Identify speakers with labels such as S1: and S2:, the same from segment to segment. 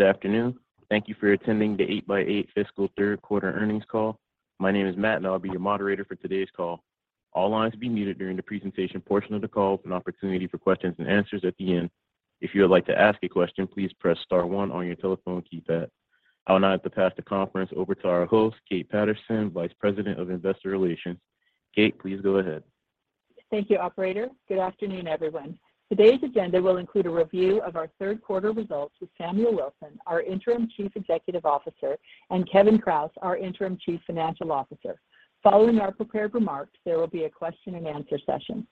S1: Good afternoon. Thank you for attending the 8x8 fiscal third quarter earnings call. My name is Matt, and I'll be your moderator for today's call. All lines will be muted during the presentation portion of the call with an opportunity for questions and answers at the end. If you would like to ask a question, please press star one on your telephone keypad. I'll now pass the conference over to our host, Kate Patterson, Vice President of Investor Relations. Kate, please go ahead.
S2: Thank you, operator. Good afternoon, everyone. Today's agenda will include a review of our third quarter results with Samuel Wilson, our Interim Chief Executive Officer, and Kevin Kraus, our Interim Chief Financial Officer. Following our prepared remarks, there will be a question and answer session.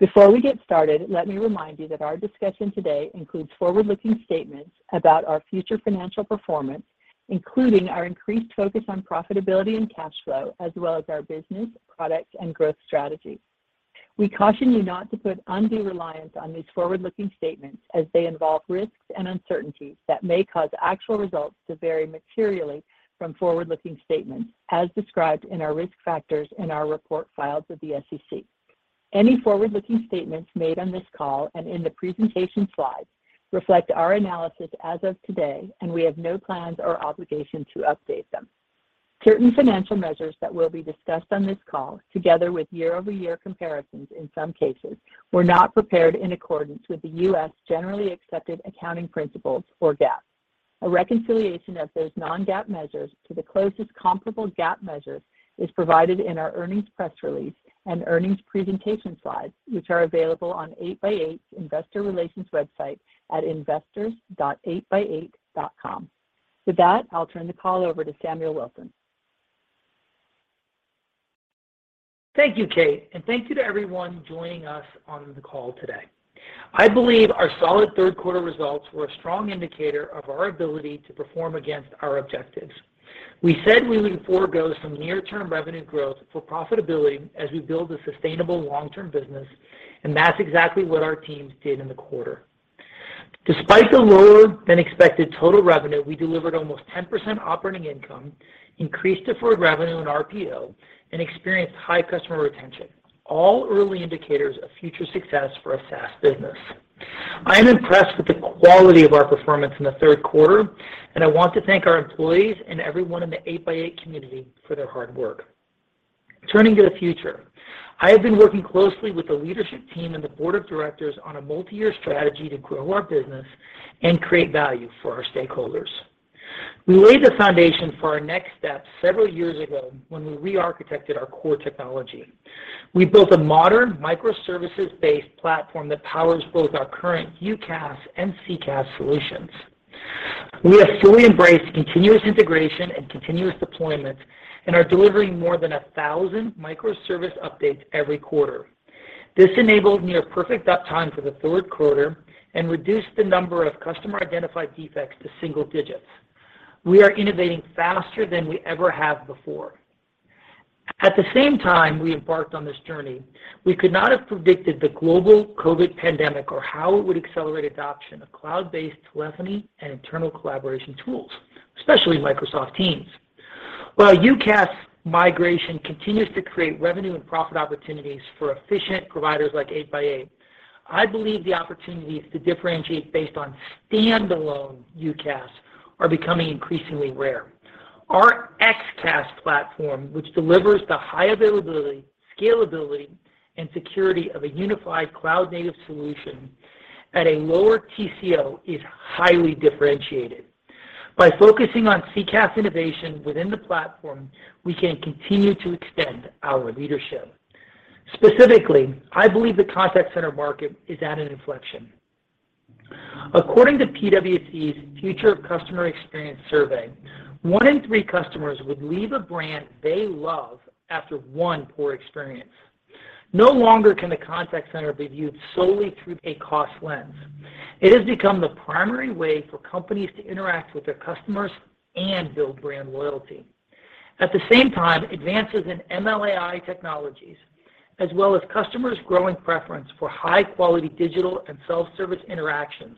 S2: Before we get started, let me remind you that our discussion today includes forward-looking statements about our future financial performance, including our increased focus on profitability and cash flow, as well as our business, products, and growth strategies. We caution you not to put undue reliance on these forward-looking statements as they involve risks and uncertainties that may cause actual results to vary materially from forward-looking statements as described in our risk factors in our report filed with the SEC. Any forward-looking statements made on this call and in the presentation slides reflect our analysis as of today. We have no plans or obligation to update them. Certain financial measures that will be discussed on this call, together with year-over-year comparisons in some cases, were not prepared in accordance with the U.S. generally accepted accounting principles or GAAP. A reconciliation of those non-GAAP measures to the closest comparable GAAP measure is provided in our earnings press release and earnings presentation slides, which are available on 8x8's investor relations website at investors.8x8.com. With that, I'll turn the call over to Samuel Wilson.
S3: Thank you, Kate, and thank you to everyone joining us on the call today. I believe our solid third quarter results were a strong indicator of our ability to perform against our objectives. We said we would forego some near-term revenue growth for profitability as we build a sustainable long-term business. That's exactly what our teams did in the quarter. Despite the lower than expected total revenue, we delivered almost 10% operating income, increased deferred revenue and RPO, and experienced high customer retention, all early indicators of future success for a SaaS business. I am impressed with the quality of our performance in the third quarter. I want to thank our employees and everyone in the 8x8 community for their hard work. Turning to the future, I have been working closely with the leadership team and the board of directors on a multi-year strategy to grow our business and create value for our stakeholders. We laid the foundation for our next step several years ago when we re-architected our core technology. We built a modern microservices-based platform that powers both our current UCaaS and CCaaS solutions. We have fully embraced continuous integration and continuous deployment and are delivering more than 1,000 microservice updates every quarter. This enabled near perfect uptime for the third quarter and reduced the number of customer-identified defects to single digits. We are innovating faster than we ever have before. At the same time we embarked on this journey, we could not have predicted the global COVID pandemic or how it would accelerate adoption of cloud-based telephony and internal collaboration tools, especially Microsoft Teams. While UCaaS migration continues to create revenue and profit opportunities for efficient providers like 8x8, I believe the opportunities to differentiate based on standalone UCaaS are becoming increasingly rare. Our XCaaS platform, which delivers the high availability, scalability, and security of a unified cloud-native solution at a lower TCO, is highly differentiated. By focusing on CCaaS innovation within the platform, we can continue to extend our leadership. Specifically, I believe the contact center market is at an inflection. According to PwC's Future of Customer Experience survey, one in three customers would leave a brand they love after one poor experience. No longer can the contact center be viewed solely through a cost lens. It has become the primary way for companies to interact with their customers and build brand loyalty. At the same time, advances in ML AI technologies, as well as customers' growing preference for high-quality digital and self-service interactions,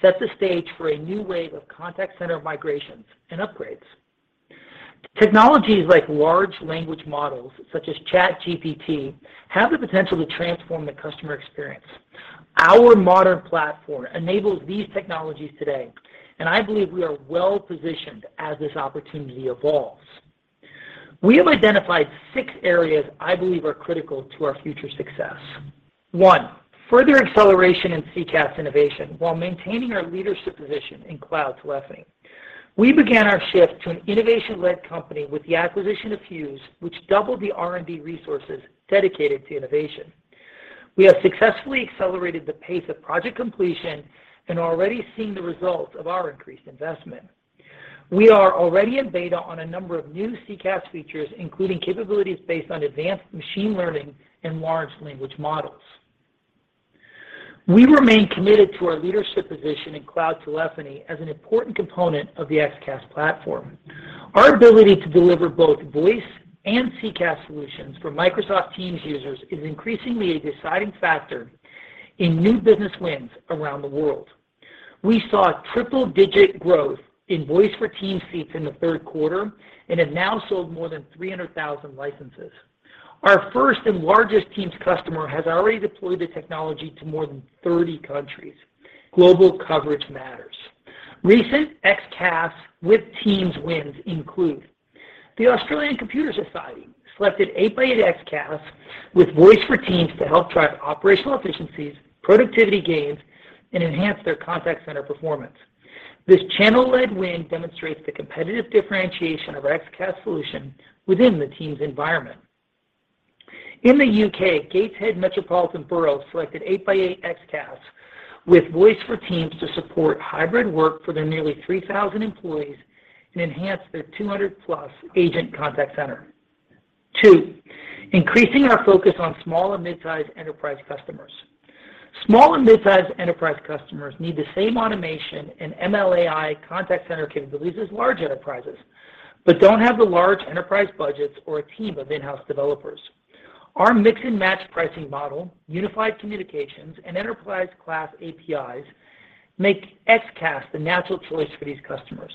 S3: set the stage for a new wave of contact center migrations and upgrades. Technologies like large language models, such as ChatGPT, have the potential to transform the customer experience. Our modern platform enables these technologies today, and I believe we are well-positioned as this opportunity evolves. We have identified six areas I believe are critical to our future success. One, further acceleration in CCaaS innovation while maintaining our leadership position in cloud telephony. We began our shift to an innovation-led company with the acquisition of Fuze, which doubled the R&D resources dedicated to innovation. We have successfully accelerated the pace of project completion and are already seeing the results of our increased investment. We are already in beta on a number of new CCaaS features, including capabilities based on advanced machine learning and large language models. We remain committed to our leadership position in cloud telephony as an important component of the XCaaS platform. Our ability to deliver both voice and CCaaS solutions for Microsoft Teams users is increasingly a deciding factor in new business wins around the world. We saw triple-digit growth in Voice for Teams seats in the third quarter and have now sold more than 300,000 licenses. Our first and largest Teams customer has already deployed the technology to more than 30 countries. Global coverage matters. Recent XCaaS with Teams wins include the Australian Computer Society selected 8x8 XCaaS with Voice for Teams to help drive operational efficiencies, productivity gains, and enhance their contact center performance. This channel-led win demonstrates the competitive differentation of XCaaS solution within the Teams environment. In the U.K., Gateshead Metropolitan Borough selected 8x8 XCaaS with Voice for Teams to support hybrid work for their nearly 3,000 employees and enhance their 200+ agent contact center. 2, increasing our focus on small and mid-sized enterprise customers. Small and mid-sized enterprise customers need the same automation and ML/AI contact center capabilities as large enterprises, but don't have the large enterprise budgets or a team of in-house developers. Our mix-and-match pricing model, unified communications, and enterprise-class APIs make XCaaS the natural choice for these customers.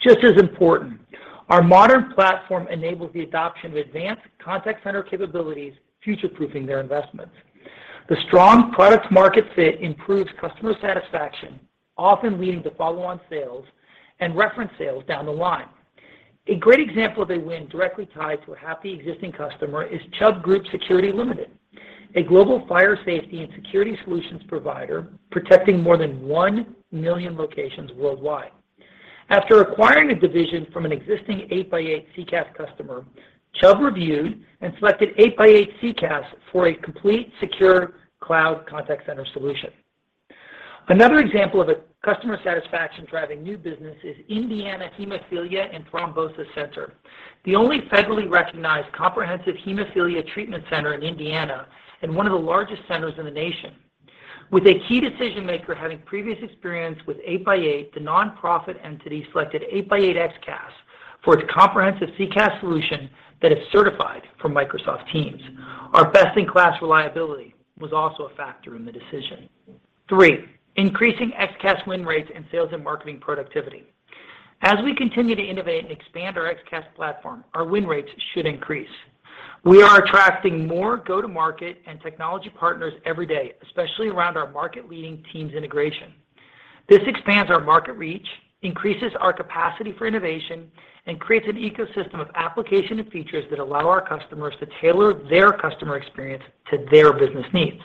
S3: Just as important, our modern platform enables the adoption of advanced contact center capabilities, future-proofing their investments. The strong product-market fit improves customer satisfaction, often leading to follow-on sales and reference sales down the line. A great example of a win directly tied to a happy existing customer is Chubb Group Security Limited, a global fire safety and security solutions provider protecting more than 1 million locations worldwide. After acquiring a division from an existing 8x8 CCaaS customer, Chubb reviewed and selected 8x8 CCaaS for a complete secure cloud contact center solution. Another example of a customer satisfaction driving new business is Indiana Hemophilia & Thrombosis Center, the only federally recognized comprehensive hemophilia treatment center in Indiana and one of the largest centers in the nation. With a key decision-maker having previous experience with 8x8, the nonprofit entity selected 8x8 XCaaS for its comprehensive CCaaS solution that is certified for Microsoft Teams. Our best-in-class reliability was also a factor in the decision. Three, increasing XCaaS win rates and sales and marketing productivity. As we continue to innovate and expand our XCaaS platform, our win rates should increase. We are attracting more go-to-market and technology partners every day, especially around our market-leading Teams integration. This expands our market reach, increases our capacity for innovation, and creates an ecosystem of application and features that allow our customers to tailor their customer experience to their business needs.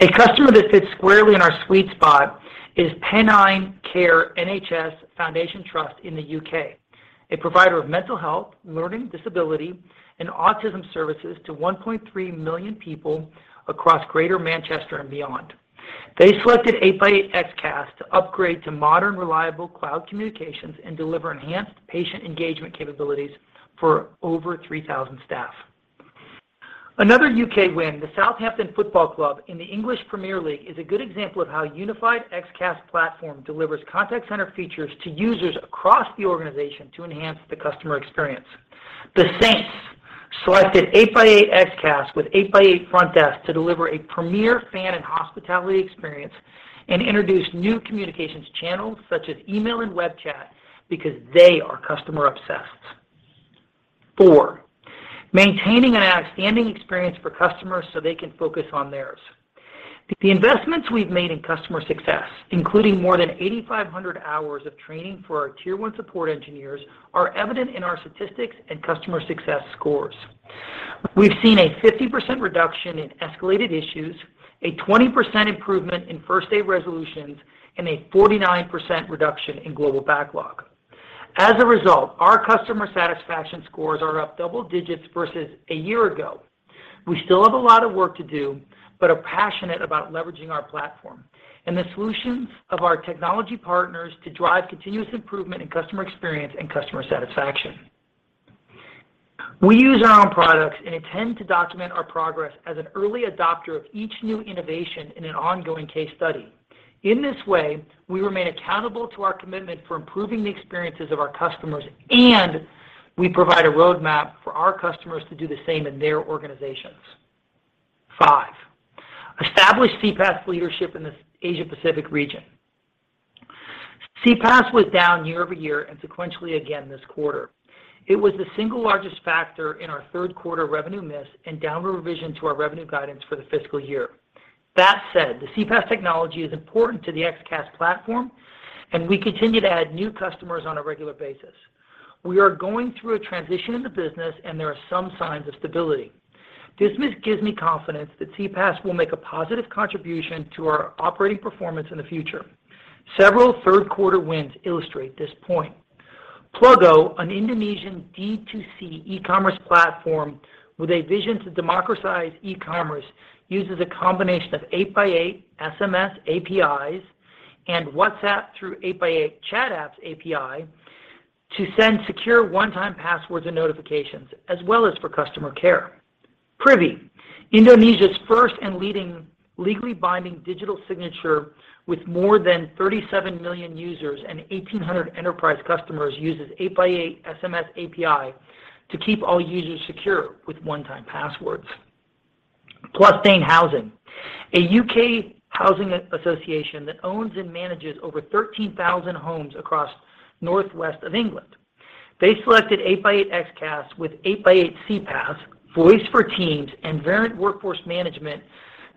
S3: A customer that fits squarely in our sweet spot is Pennine Care NHS Foundation Trust in the U.K., a provider of mental health, learning disability, and autism services to 1.3 million people across Greater Manchester and beyond. They selected 8x8 XCaaS to upgrade to modern, reliable cloud communications and deliver enhanced patient engagement capabilities for over 3,000 staff. Another U.K. win, the Southampton Football Club in the English Premier League, is a good example of how unified XCaaS platform delivers contact center features to users across the organization to enhance the customer experience. The Saints, selected 8x8 XCaaS with 8x8 Frontdesk to deliver a premier fan and hospitality experience and introduce new communications channels such as email and web chat because they are customer obsessed. Four, maintaining an outstanding experience for customers so they can focus on theirs. The investments we've made in customer success, including more than 8,500 hours of training for our tier one support engineers, are evident in our statistics and customer success scores. We've seen a 50% reduction in escalated issues, a 20% improvement in first-day resolutions, and a 49% reduction in global backlog. As a result, our customer satisfaction scores are up double-digits versus a year ago. We still have a lot of work to do, but are passionate about leveraging our platform and the solutions of our technology partners to drive continuous improvement in customer experience and customer satisfaction. We use our own products and intend to document our progress as an early adopter of each new innovation in an ongoing case study. In this way, we remain accountable to our commitment for improving the experiences of our customers and we provide a roadmap for our customers to do the same in their organizations. Five, establish CPaaS leadership in the Asia-Pacific region. CPaaS was down year-over-year and sequentially again this quarter. It was the single largest factor in our third quarter revenue miss and downward revision to our revenue guidance for the fiscal year. That said, the CPaaS technology is important to the XCaaS platform and we continue to add new customers on a regular basis. We are going through a transition in the business and there are some signs of stability. This gives me confidence that CPaaS will make a positive contribution to our operating performance in the future. Several third quarter wins illustrate this point. Plugo, an Indonesian D2C e-commerce platform with a vision to democratize e-commerce, uses a combination of 8x8 SMS APIs and WhatsApp through 8x8 Chat Apps API, to send secure one-time passwords as well as for customer care. Privy, Indonesia's first and leading legally binding digital signature with more than 37 million users and 1,800 enterprise customers uses 8x8 SMS API to keep all users secure with one-time passwords. Plus Dane Housing, a U.K. housing association that owns and manages over 13,000 homes across Northwest of England. They selected 8x8 XCaaS with 8x8 CPaaS, Voice for Teams, and Verint Workforce Management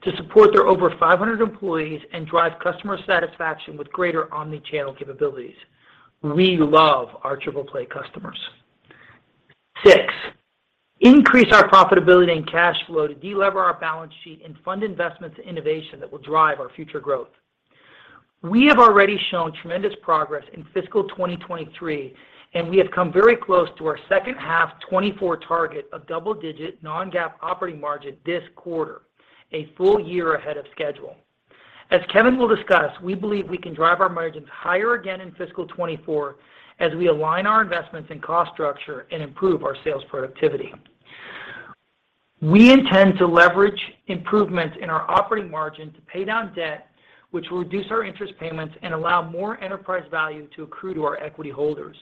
S3: to support their over 500 employees and drive customer satisfaction with greater omnichannel capabilities. We love our triple-play customers. Six, increase our profitability and cash flow to delever our balance sheet and fund investments in innovation that will drive our future growth. We have already shown tremendous progress in fiscal 2023, and we have come very close to our second-half 2024 target of double-digit non-GAAP operating margin this quarter, a full year ahead of schedule. As Kevin Kraus will discuss, we believe we can drive our margins higher again in fiscal 2024 as we align our investments in cost structure and improve our sales productivity. We intend to leverage improvements in our operating margin to pay down debt, which will reduce our interest payments and allow more enterprise value to accrue to our equity holders.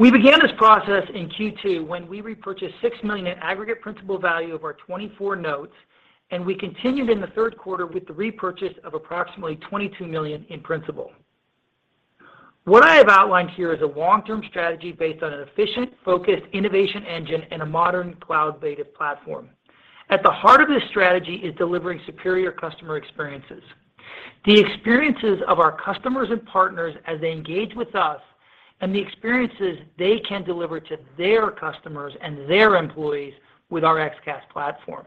S3: We began this process in Q2 when we repurchased $6 million in aggregate principal value of our 2024 notes. We continued in the third quarter with the repurchase of approximately $22 million in principal. What I have outlined here is a long-term strategy based on an efficient, focused innovation engine and a modern cloud-native platform. At the heart of this strategy is delivering superior customer experiences. The experiences of our customers and partners as they engage with us, and the experiences they can deliver to their customers and their employees with our XCaaS platform.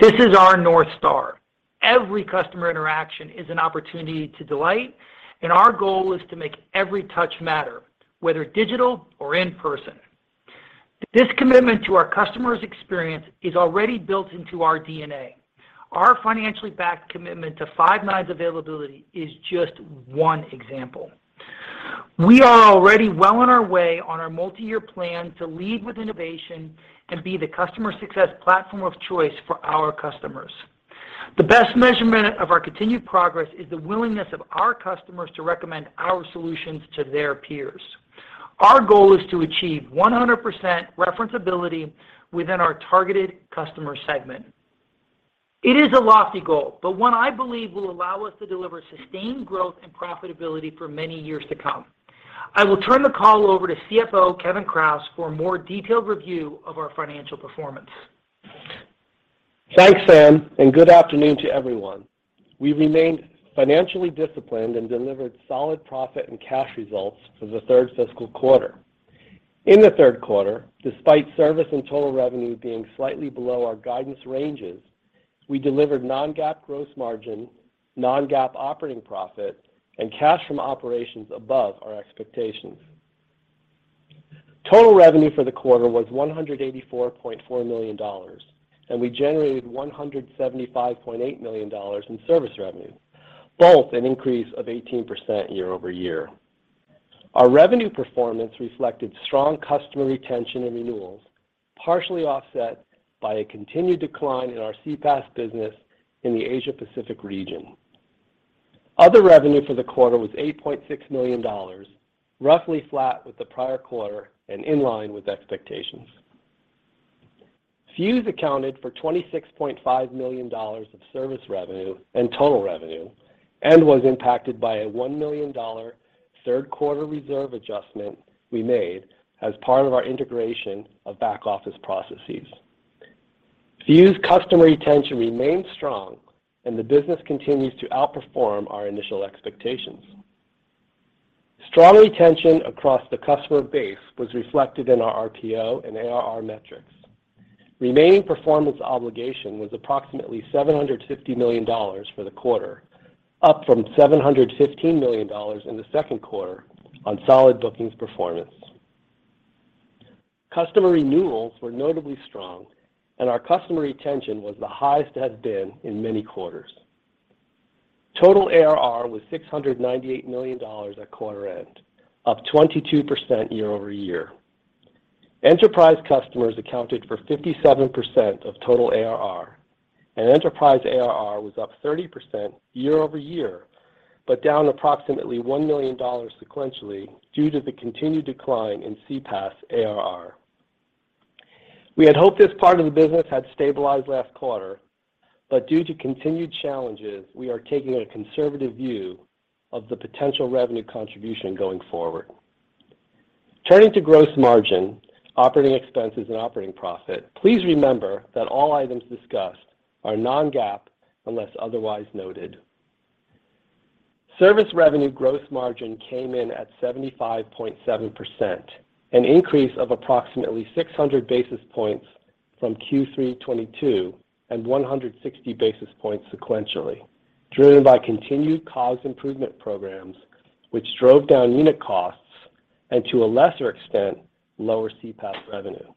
S3: This is our North Star. Every customer interaction is an opportunity to delight, and our goal is to make every touch matter, whether digital or in person. This commitment to our customer's experience is already built into our D&A. Our financially backed commitment to five nines availability is just one example. We are already well on our way on our multi-year plan to lead with innovation and be the customer success platform of choice for our customers. The best measurement of our continued progress is the willingness of our customers to recommend our solutions to their peers. Our goal is to achieve 100% reference ability within our targeted customer segment. It is a lofty goal, but one I believe will allow us to deliver sustained growth and profitability for many years to come. I will turn the call over to CFO Kevin Kraus for a more detailed review of our financial performance.
S4: Thanks, Sam, and good afternoon to everyone. We remained financially disciplined and delivered solid profit and cash results for the third fiscal quarter. In the third quarter, despite service and total revenue being slightly below our guidance ranges, we delivered non-GAAP gross margin, non-GAAP operating profit, and cash from operations above our expectations. Total revenue for the quarter was $184.4 million, and we generated $175.8 million in service revenue, both an increase of 18% year-over-year. Our revenue performance reflected strong customer retention and renewals, partially offset by a continued decline in our CPaaS business in the Asia Pacific region. Other revenue for the quarter was $8.6 million, roughly flat with the prior quarter and in line with expectations. Fuze accounted for $26.5 million of service revenue and total revenue, and was impacted by a $1 million third quarter reserve adjustment we made as part of our integration of back-office processes. Fuze customer retention remains strong, and the business continues to outperform our initial expectations. Strong retention across the customer base was reflected in our RPO and ARR metrics. Remaining performance obligation was approximately $750 million for the quarter, up from $715 million in the second quarter on solid bookings performance. Customer renewals were notably strong, and our customer retention was the highest it has been in many quarters. Total ARR was $698 million at quarter end, up 22% year-over-year. Enterprise customers accounted for 57% of total ARR, and enterprise ARR was up 30% year-over-year, but down approximately $1 million sequentially due to the continued decline in CPaaS ARR. We had hoped this part of the business had stabilized last quarter, but due to continued challenges, we are taking a conservative view of the potential revenue contribution going forward. Turning to gross margin, operating expenses, and operating profit, please remember that all items discussed are non-GAAP unless otherwise noted. Service revenue gross margin came in at 75.7%, an increase of approximately 600 basis points from Q3 2022 and 160 basis points sequentially, driven by continued cost improvement programs which drove down unit costs and to a lesser extent, lower CPaaS revenue.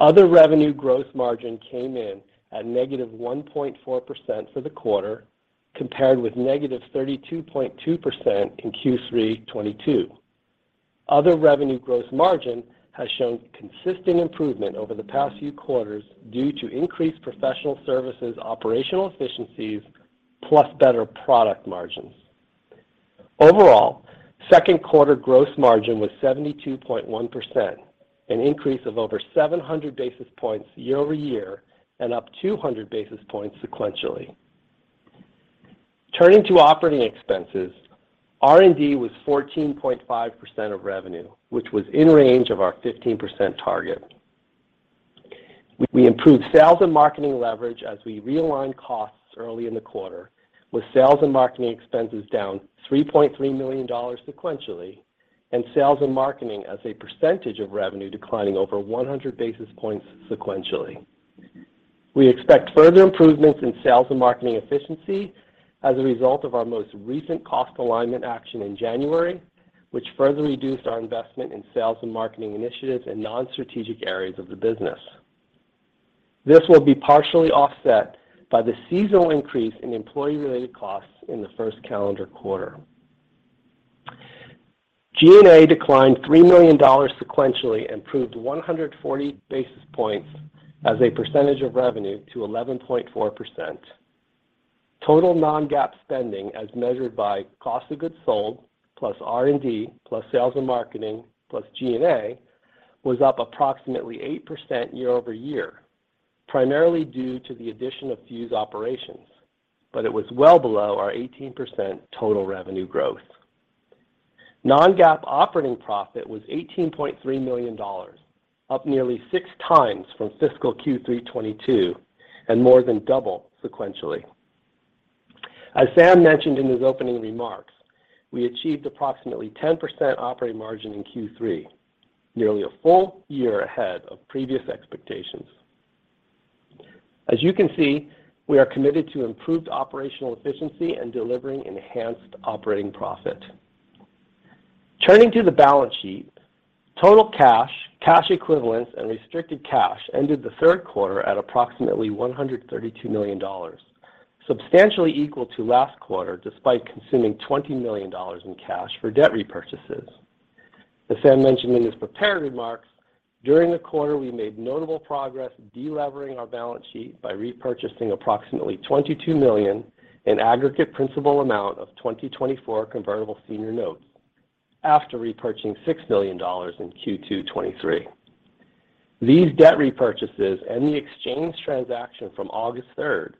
S4: Other revenue gross margin came in at negative 1.4% for the quarter, compared with negative 32.2% in Q3 2022. Other revenue gross margin has shown consistent improvement over the past few quarters due to increased professional services operational efficiencies plus better product margins. Overall, second quarter gross margin was 72.1%, an increase of over 700 basis points year-over-year and up 200 basis points sequentially. Turning to operating expenses, R&D was 14.5% of revenue, which was in range of our 15% target. We improved sales and marketing leverage as we realigned costs early in the quarter, with sales and marketing expenses down $3.3 million sequentially, and sales and marketing as a percentage of revenue declining over 100 basis points sequentially. We expect further improvements in sales and marketing efficiency as a result of our most recent cost alignment action in January, which further reduced our investment in sales and marketing initiatives and non-strategic areas of the business. This will be partially offset by the seasonal increase in employee-related costs in the first calendar quarter. G&A declined $3 million sequentially, improved 140 basis points as a percentage of revenue to 11.4%. Total non-GAAP spending as measured by cost of goods sold plus R&D plus sales and marketing plus G&A was up approximately 8% year-over-year, primarily due to the addition of Fuze operations, it was well below our 18% total revenue growth. Non-GAAP operating profit was $18.3 million, up nearly six times from fiscal Q3 2022 and more than double sequentially. As Sam mentioned in his opening remarks, we achieved approximately 10% operating margin in Q3, nearly a full year ahead of previous expectations. As you can see, we are committed to improved operational efficiency and delivering enhanced operating profit. Turning to the balance sheet, total cash equivalents and restricted cash ended the third quarter at approximately $132 million, substantially equal to last quarter despite consuming $20 million in cash for debt repurchases. As Sam mentioned in his prepared remarks, during the quarter, we made notable progress delevering our balance sheet by repurchasing approximately $22 million in aggregate principal amount of 2024 Convertible Senior Notes after repurchasing $6 million in Q2 2023. These debt repurchases and the exchange transaction from August third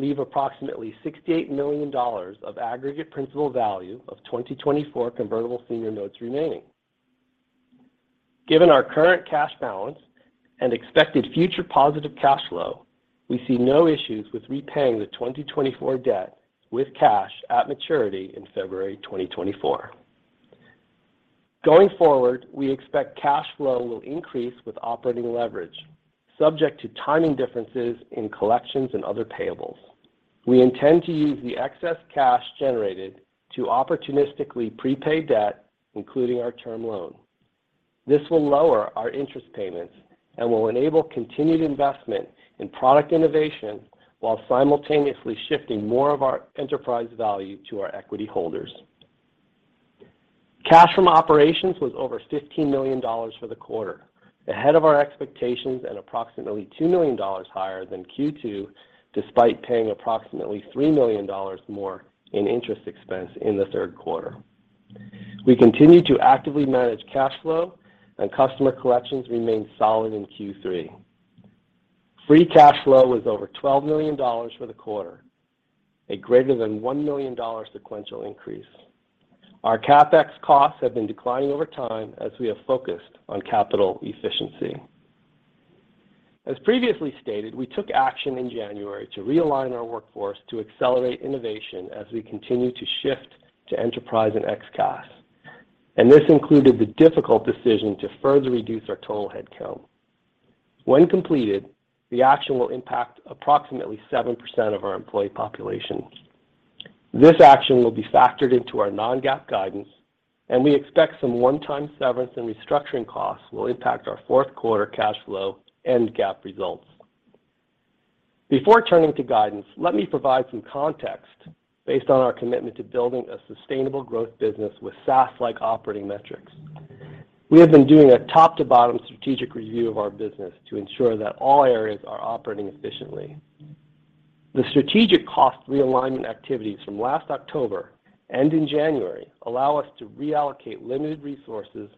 S4: leave approximately $68 million of aggregate principal value of 2024 Convertible Senior Notes remaining. Given our current cash balance and expected future positive cash flow, we see no issues with repaying the 2024 debt with cash at maturity in February 2024. Going forward, we expect cash flow will increase with operating leverage, subject to timing differences in collections and other payables. We intend to use the excess cash generated to opportunistically prepaid debt, including our term loan. This will lower our interest payments and will enable continued investment in product innovation while simultaneously shifting more of our enterprise value to our equity holders. Cash from operations was over $15 million for the quarter, ahead of our expectations and approximately $2 million higher than Q2, despite paying approximately $3 million more in interest expense in the third quarter. We continue to actively manage cash flow and customer collections remain solid in Q3. Free cash flow was over $12 million for the quarter, a greater than $1 million sequential increase. Our CapEx costs have been declining over time as we have focused on capital efficiency. As previously stated, we took action in January to realign our workforce to accelerate innovation as we continue to shift to enterprise and XCaaS, and this included the difficult decision to further reduce our total headcount. When completed, the action will impact approximately 7% of our employee population. This action will be factored into our non-GAAP guidance, and we expect some one-time severance and restructuring costs will impact our fourth quarter cash flow and GAAP results. Before turning to guidance, let me provide some context based on our commitment to building a sustainable growth business with SaaS-like operating metrics. We have been doing a top-to-bottom strategic review of our business to ensure that all areas are operating efficiently. The strategic cost realignment activities from last October and in January allow us to reallocate limited resources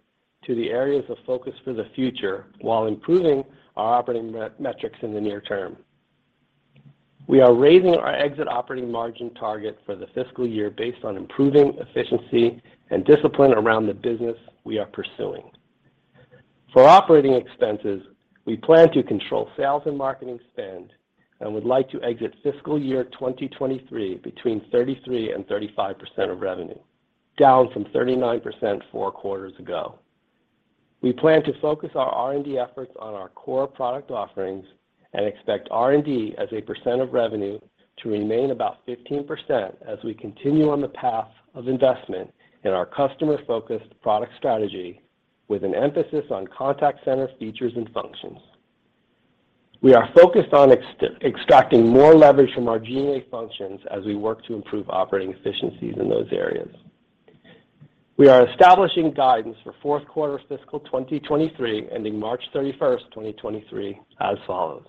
S4: to the areas of focus for the future while improving our operating metrics in the near term. We are raising our exit operating margin target for the fiscal year based on improving efficiency and discipline around the business we are pursuing. For operating expenses, we plan to control sales and marketing spend and would like to exit fiscal year 2023 between 33% and 35% of revenue, down from 39% four quarters ago. We plan to focus our R&D efforts on our core product offerings and expect R&D as a percent of revenue to remain about 15% as we continue on the path of investment in our customer-focused product strategy with an emphasis on contact center features and functions. We are focused on extracting more leverage from our G&A functions as we work to improve operating efficiencies in those areas. We are establishing guidance for fourth quarter fiscal 2023, ending March 31, 2023 as follows.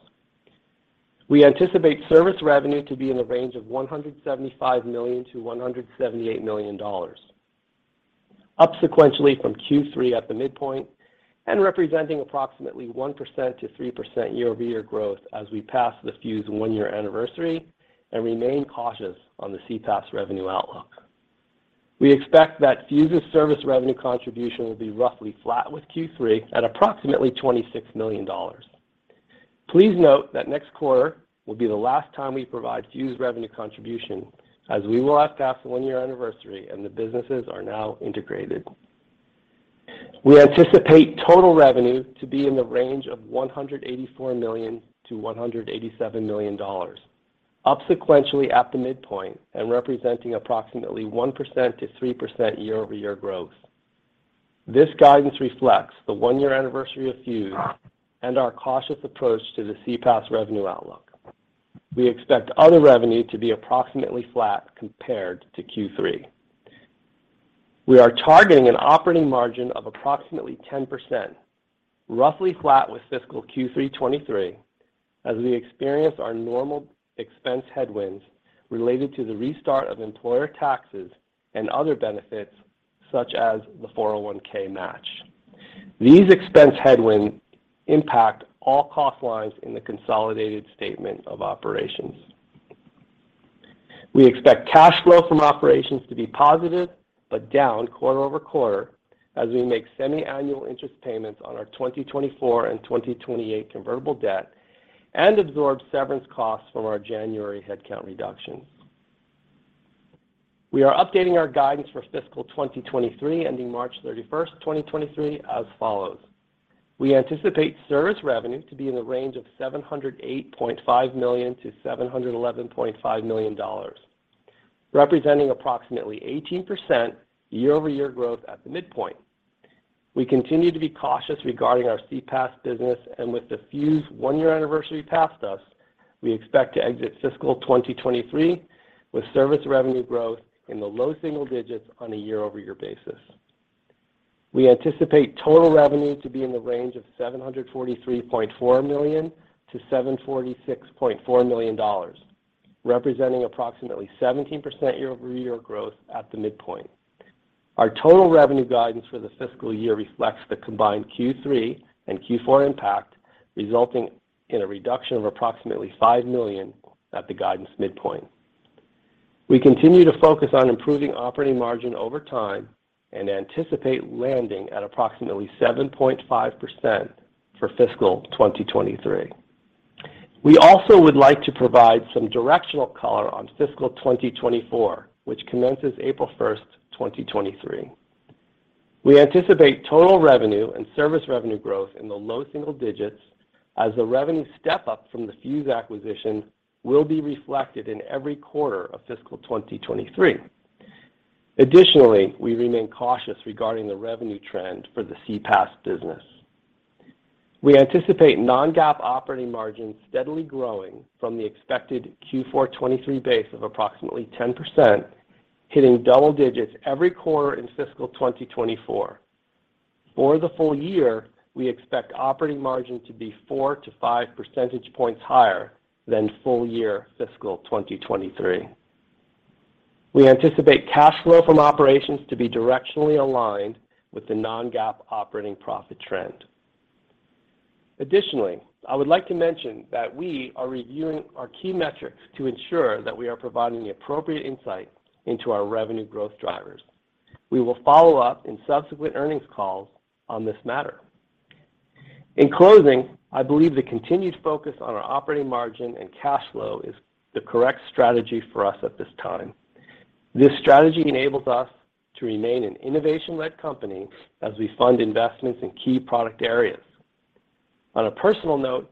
S4: We anticipate service revenue to be in the range of $175 million-$178 million, up sequentially from Q3 at the midpoint and representing approximately 1%-3% year-over-year growth as we pass the Fuze one-year anniversary and remain cautious on the CPaaS revenue outlook. We expect that Fuze's service revenue contribution will be roughly flat with Q3 at approximately $26 million. Please note that next quarter will be the last time we provide Fuze revenue contribution as we will have passed the one-year anniversary, and the businesses are now integrated. We anticipate total revenue to be in the range of $184 million-$187 million, up sequentially at the midpoint and representing approximately 1%-3% year-over-year growth. This guidance reflects the one-year anniversary of Fuze and our cautious approach to the CPaaS revenue outlook. We expect other revenue to be approximately flat compared to Q3. We are targeting an operating margin of approximately 10%, roughly flat with fiscal Q3 2023 as we experience our normal expense headwinds related to the restart of employer taxes and other benefits such as the 401(k) match. These expense headwinds impact all cost lines in the consolidated statement of operations. We expect cash flow from operations to be positive but down quarter-over-quarter as we make semi-annual interest payments on our 2024 and 2028 Convertible Senior Notes and absorb severance costs from our January headcount reductions. We are updating our guidance for fiscal 2023, ending March 31st, 2023 as follows: We anticipate service revenue to be in the range of $708.5 million-$711.5 million, representing approximately 18% year-over-year growth at the midpoint. We continue to be cautious regarding our CPaaS business, and with the Fuze one-year anniversary past us, we expect to exit fiscal 2023 with service revenue growth in the low single digits on a year-over-year basis. We anticipate total revenue to be in the range of $743.4 million-$746.4 million, representing approximately 17% year-over-year growth at the midpoint. Our total revenue guidance for the fiscal year reflects the combined Q3 and Q4 impact, resulting in a reduction of approximately $5 million at the guidance midpoint. We continue to focus on improving operating margin over time and anticipate landing at approximately 7.5% for fiscal 2023. We also would like to provide some directional color on fiscal 2024, which commences April 1, 2023. We anticipate total revenue and service revenue growth in the low single digits as the revenue step-up from the Fuze acquisition will be reflected in every quarter of fiscal 2023. Additionally, we remain cautious regarding the revenue trend for the CPaaS business. We anticipate non-GAAP operating margin steadily growing from the expected Q4 2023 base of approximately 10%, hitting double digits every quarter in fiscal 2024. For the full year, we expect operating margin to be four to five percentage points higher than full year fiscal 2023. We anticipate cash flow from operations to be directionally aligned with the non-GAAP operating profit trend. Additionally, I would like to mention that we are reviewing our key metrics to ensure that we are providing the appropriate insight into our revenue growth drivers. We will follow up in subsequent earnings calls on this matter. In closing, I believe the continued focus on our operating margin and cash flow is the correct strategy for us at this time. This strategy enables us to remain an innovation-led company as we fund investments in key product areas. On a personal note,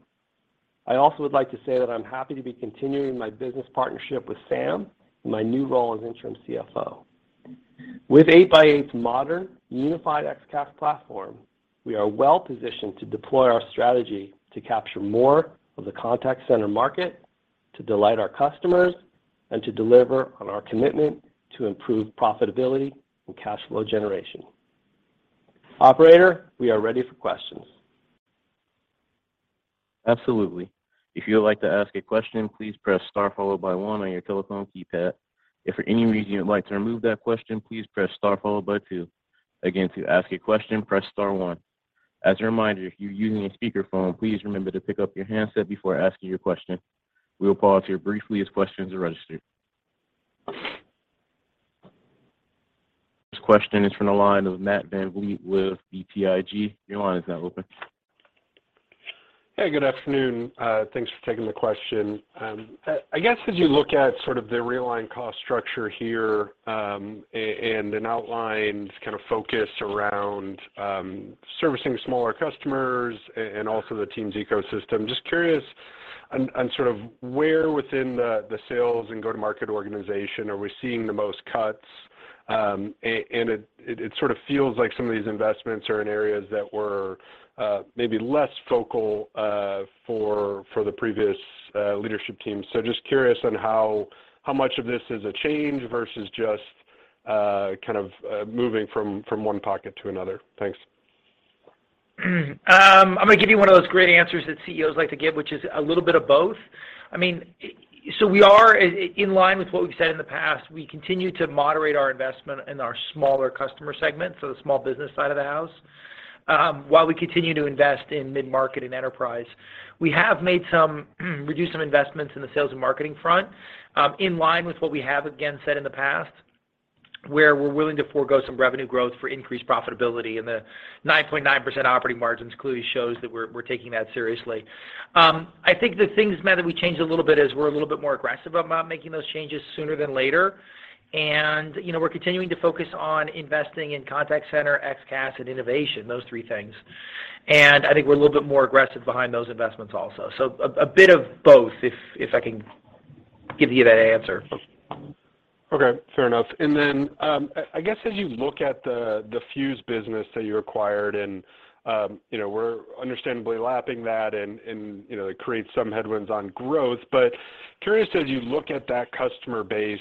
S4: I also would like to say that I'm happy to be continuing my business partnership with Sam in my new role as interim CFO. With 8x8's modern unified XCaaS platform, we are well positioned to deploy our strategy to capture more of the contact center market, to delight our customers, and to deliver on our commitment to improve profitability and cash flow generation. Operator, we are ready for questions.
S1: Absolutely. If you would like to ask a question, please press star followed by one on your telephone keypad. If for any reason you would like to remove that question, please press star followed by two. Again, to ask a question, press star one. As a reminder, if you're using a speakerphone, please remember to pick up your handset before asking your question. We will pause here briefly as questions are registered. This question is from the line of Matthew VanVliet with BTIG. Your line is now open.
S5: Hey, good afternoon. Thanks for taking the question. I guess as you look at sort of the realigned cost structure here, and an outlined kind of focus around servicing smaller customers and also the Teams ecosystem, just curious sort of where within the sales and go-to-market organization are we seeing the most cuts? And it sort of feels like some of these investments are in areas that were maybe less focal for the previous leadership team. Just curious how much of this is a change versus just kind of moving from one pocket to another. Thanks.
S3: I'm gonna give you one of those great answers that CEOs like to give, which is a little bit of both. I mean, we are in line with what we've said in the past. We continue to moderate our investment in our smaller customer segments, so the small business side of the house, while we continue to invest in mid-market and enterprise. We have made some, reduced some investments in the sales and marketing front, in line with what we have, again, said in the past, where we're willing to forego some revenue growth for increased profitability, and the 9.9% operating margins clearly shows that we're taking that seriously. I think the things, Matt, that we changed a little bit is we're a little bit more aggressive about making those changes sooner than later. You know, we're continuing to focus on investing in contact center, XCaaS, and innovation, those three things. I think we're a little bit more aggressive behind those investments also. A bit of both, if I can give you that answer.
S5: Okay. Fair enough. I guess as you look at the Fuze business that you acquired, you know, we're understandably lapping that and, you know, it creates some headwinds on growth. Curious, as you look at that customer base,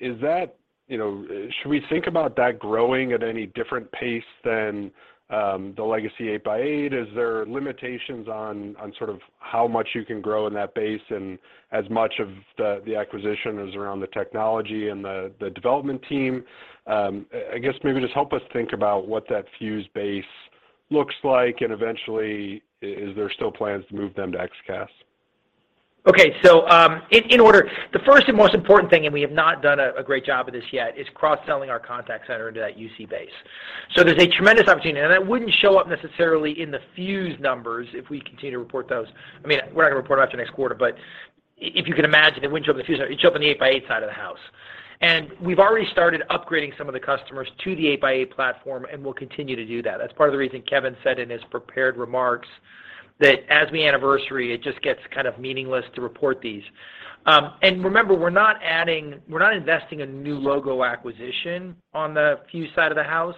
S5: is that, you know, should we think about that growing at any different pace than the legacy 8x8? Is there limitations on sort of how much you can grow in that base and as much of the acquisition is around the technology and the development team? I guess maybe just help us think about what that Fuze base looks like, and eventually is there still plans to move them to XCaaS?
S3: Okay. In order, the first and most important thing, and we have not done a great job of this yet, is cross-selling our contact center into that UC base. There's a tremendous opportunity, and that wouldn't show up necessarily in the Fuze numbers if we continue to report those. I mean, we're not gonna report after next quarter, but if you could imagine, it wouldn't show up in the Fuze number. It'd show up in the 8x8 side of the house. We've already started upgrading some of the customers to the 8x8 platform, and we'll continue to do that. That's part of the reason Kevin said in his prepared remarks that as we anniversary, it just gets kind of meaningless to report these. Remember, we're not investing in new logo acquisition on the Fuze side of the house.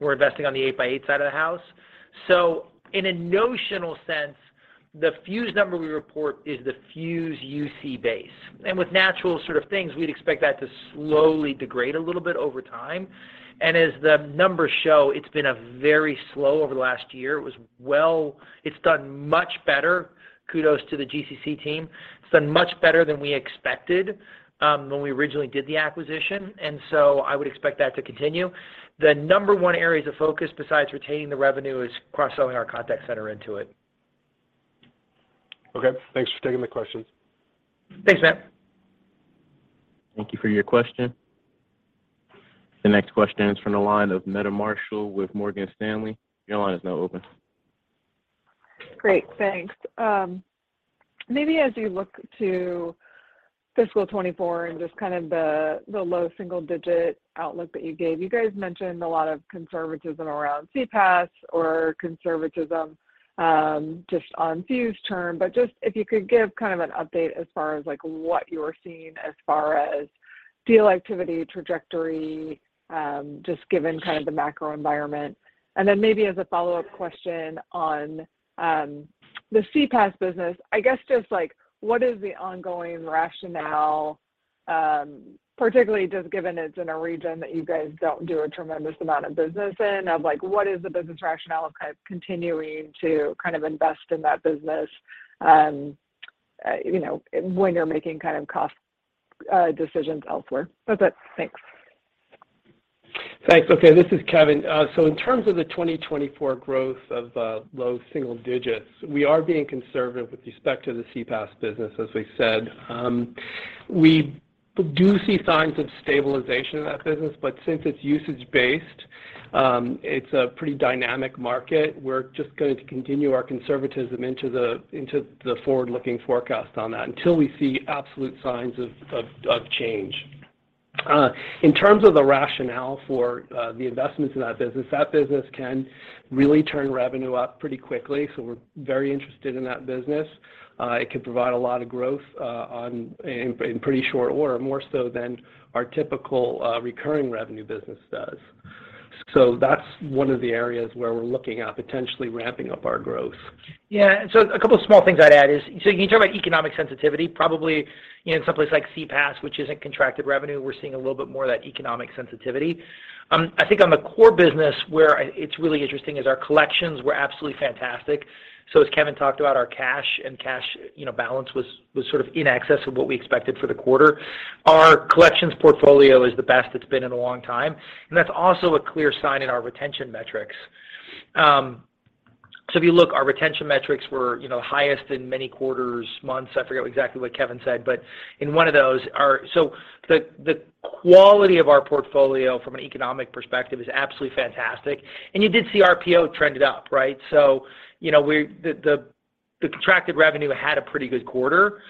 S3: We're investing on the 8x8 side of the house. In a notional sense, the Fuze number we report is the Fuze UC base. With natural sort of things, we'd expect that to slowly degrade a little bit over time. As the numbers show, it's been a very slow over the last year. It's done much better, kudos to the GCC team. It's done much better than we expected when we originally did the acquisition. I would expect that to continue. The number one areas of focus besides retaining the revenue is cross-selling our contact center into it.
S5: Okay. Thanks for taking the questions.
S3: Thanks, Matt.
S1: Thank you for your question. The next question is from the line of Meta Marshall with Morgan Stanley. Your line is now open.
S6: Great. Thanks. Maybe as you look to fiscal 2024 and just kind of the low single-digit outlook that you gave, you guys mentioned a lot of conservatism around CPaaS or conservatism, just on Fuze term. Just if you could give kind of an update as far as, like, what you're seeing as far as deal activity, trajectory, just given kind of the macro environment. Maybe as a follow-up question on the CPaaS business, I guess just, like, what is the ongoing rationale, particularly just given it's in a region that you guys don't do a tremendous amount of business in? Of, like, what is the business rationale of kind of continuing to kind of invest in that business, you know, when you're making kind of cost decisions elsewhere? That's it. Thanks.
S4: Thanks. Okay, this is Kevin. In terms of the 2024 growth of low single digits, we are being conservative with respect to the CPaaS business, as we said. We do see signs of stabilization in that business, but since it's usage-based, it's a pretty dynamic market. We're just going to continue our conservatism into the forward-looking forecast on that until we see absolute signs of change. In terms of the rationale for the investments in that business, that business can really turn revenue up pretty quickly, we're very interested in that business. It can provide a lot of growth in pretty short order, more so than our typical recurring revenue business does. That's one of the areas where we're looking at potentially ramping up our growth.
S3: Yeah. A couple small things I'd add is, when you talk about economic sensitivity, probably in some place like CPaaS, which isn't contracted revenue, we're seeing a little bit more of that economic sensitivity. I think on the core business where it's really interesting is our collections were absolutely fantastic. As Kevin talked about, our cash and cash, you know, balance was sort of in excess of what we expected for the quarter. Our collections portfolio is the best it's been in a long time, and that's also a clear sign in our retention metrics. If you look, our retention metrics were, you know, highest in many quarters, months, I forget exactly what Kevin said, but in one of those. The quality of our portfolio from an economic perspective is absolutely fantastic. You did see RPO trended up, right? You know, the contracted revenue had a pretty good quarter,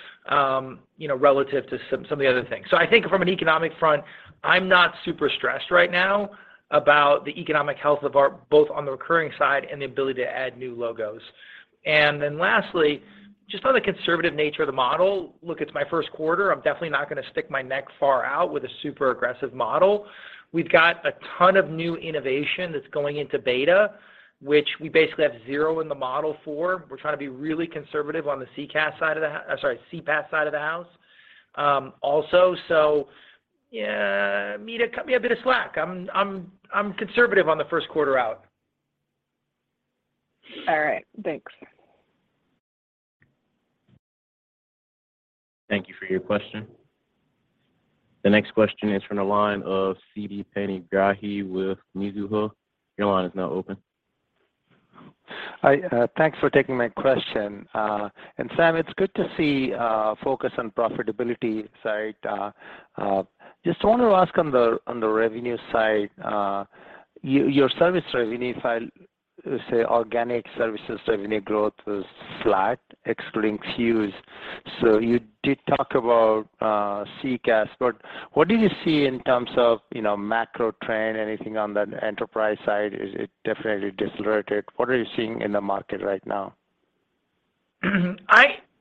S3: you know, relative to some of the other things. I think from an economic front, I'm not super stressed right now about the economic health of both on the recurring side and the ability to add new logos. Then lastly, just on the conservative nature of the model, look, it's my first quarter. I'm definitely not gonna stick my neck far out with a super aggressive model. We've got a ton of new innovation that's going into beta, which we basically have zero in the model for. We're trying to be really conservative on the CCaaS side of the or sorry, CPaaS side of the house, also. Yeah, Meta, cut me a bit of slack. I'm conservative on the first quarter out.
S7: All right, thanks.
S1: Thank you for your question. The next question is from the line of Siti Panigrahi with Mizuho. Your line is now open.
S8: Hi, thanks for taking my question. Sam, it's good to see focus on profitability side. Just want to ask on the revenue side, your service revenue side, let's say, organic services revenue growth was flat, excluding Fuze. You did talk about CCaaS, but what do you see in terms of, you know, macro trend, anything on the enterprise side? Is it definitely decelerated? What are you seeing in the market right now?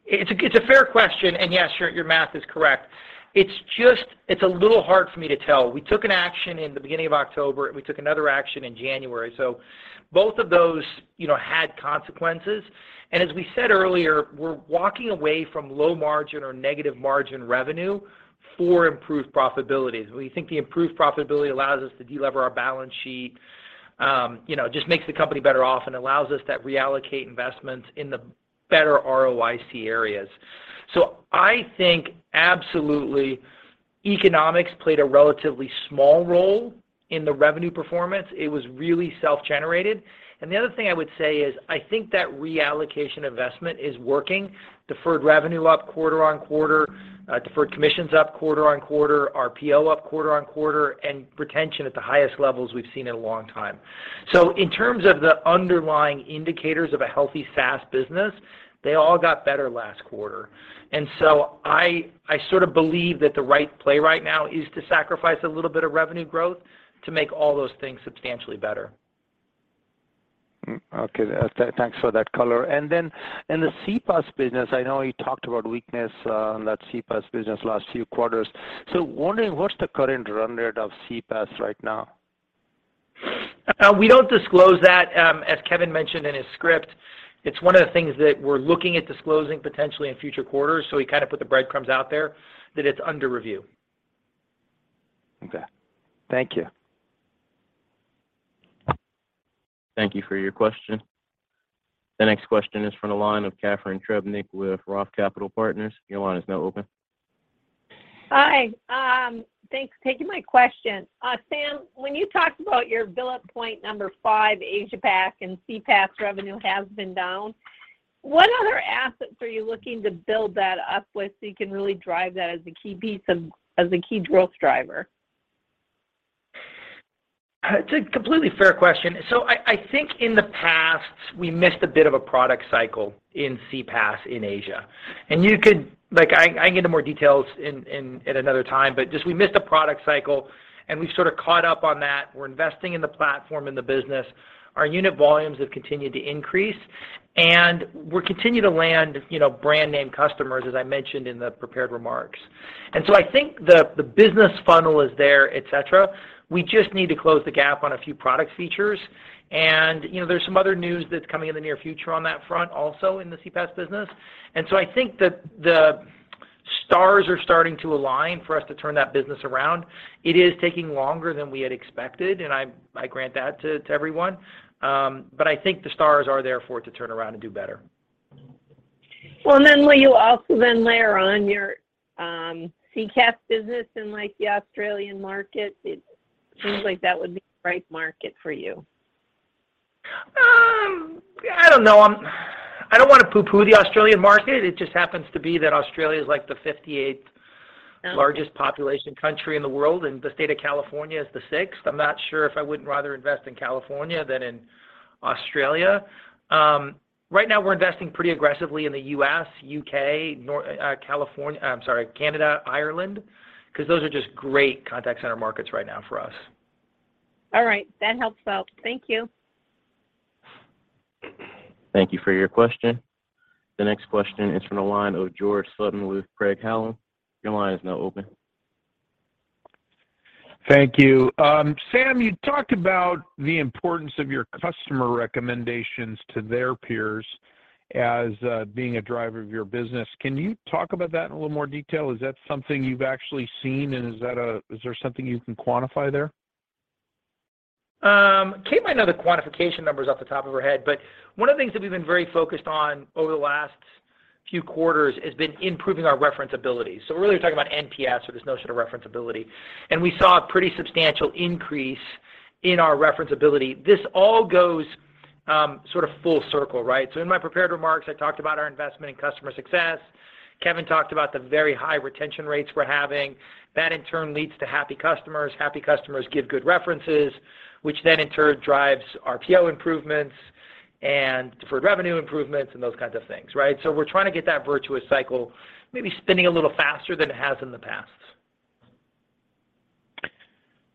S3: It's a, it's a fair question. Yes, your math is correct. It's a little hard for me to tell. We took an action in the beginning of October, we took another action in January. Both of those, you know, had consequences. As we said earlier, we're walking away from low margin or negative margin revenue for improved profitability. We think the improved profitability allows us to delever our balance sheet, you know, just makes the company better off and allows us to reallocate investments in the better ROIC areas. I think absolutely, economics played a relatively small role in the revenue performance. It was really self-generated. The other thing I would say is, I think that reallocation investment is working. Deferred revenue up quarter-over-quarter, deferred commissions up quarter-over-quarter, RPO up quarter-over-quarter, and retention at the highest levels we've seen in a long time. In terms of the underlying indicators of a healthy SaaS business, they all got better last quarter. I sort of believe that the right play right now is to sacrifice a little bit of revenue growth to make all those things substantially better.
S8: Okay. thanks for that color. in the CPaaS business, I know you talked about weakness, on that CPaaS business last few quarters. wondering what's the current run rate of CPaaS right now?
S3: We don't disclose that. As Kevin mentioned in his script, it's one of the things that we're looking at disclosing potentially in future quarters. He kind of put the breadcrumbs out there that it's under review.
S8: Okay. Thank you.
S1: Thank you for your question. The next question is from the line of Catharine Trebnick with Roth Capital Partners. Your line is now open.
S9: Hi. thanks for taking my question. Sam, when you talked about your build up point number 5, Asia Pac and CPaaS revenue has been down. What other assets are you looking to build that up with so you can really drive that as a key growth driver?
S3: It's a completely fair question. I think in the past, we missed a bit of a product cycle in CPaaS in Asia. You could Like, I can get into more details at another time, but just we missed a product cycle, and we've sort of caught up on that. We're investing in the platform and the business. Our unit volumes have continued to increase, and we continue to land, you know, brand name customers, as I mentioned in the prepared remarks. I think the business funnel is there, et cetera. We just need to close the gap on a few product features. You know, there's some other news that's coming in the near future on that front, also in the CPaaS business. I think that the stars are starting to align for us to turn that business around. It is taking longer than we had expected, I grant that to everyone. I think the stars are there for it to turn around and do better.
S9: Well, will you also layer on your CCaaS business in like the Australian market? It seems like that would be the right market for you.
S3: I don't know. I don't want to poo-poo the Australian market. It just happens to be that Australia is like the 58th-
S9: Oh...
S3: largest population country in the world, and the state of California is the sixth. I'm not sure if I wouldn't rather invest in California than in Australia. Right now we're investing pretty aggressively in the U.S., U.K., California, I'm sorry, Canada, Ireland, because those are just great contact center markets right now for us.
S9: All right. That helps out. Thank you.
S1: Thank you for your question. The next question is from the line of George Sutton with Craig-Hallum. Your line is now open.
S10: Thank you. Sam, you talked about the importance of your customer recommendations to their peers as being a driver of your business. Can you talk about that in a little more detail? Is that something you've actually seen? Is there something you can quantify there?
S3: Kate might know the quantification numbers off the top of her head, one of the things that we've been very focused on over the last few quarters has been improving our referenceability. We're really talking about NPS or this notion of referenceability. We saw a pretty substantial increase in our referenceability. This all goes sort of full circle, right? In my prepared remarks, I talked about our investment in customer success. Kevin talked about the very high retention rates we're having. That in turn leads to happy customers. Happy customers give good references, which then in turn drives RPO improvements and deferred revenue improvements and those kinds of things, right? We're trying to get that virtuous cycle maybe spinning a little faster than it has in the past.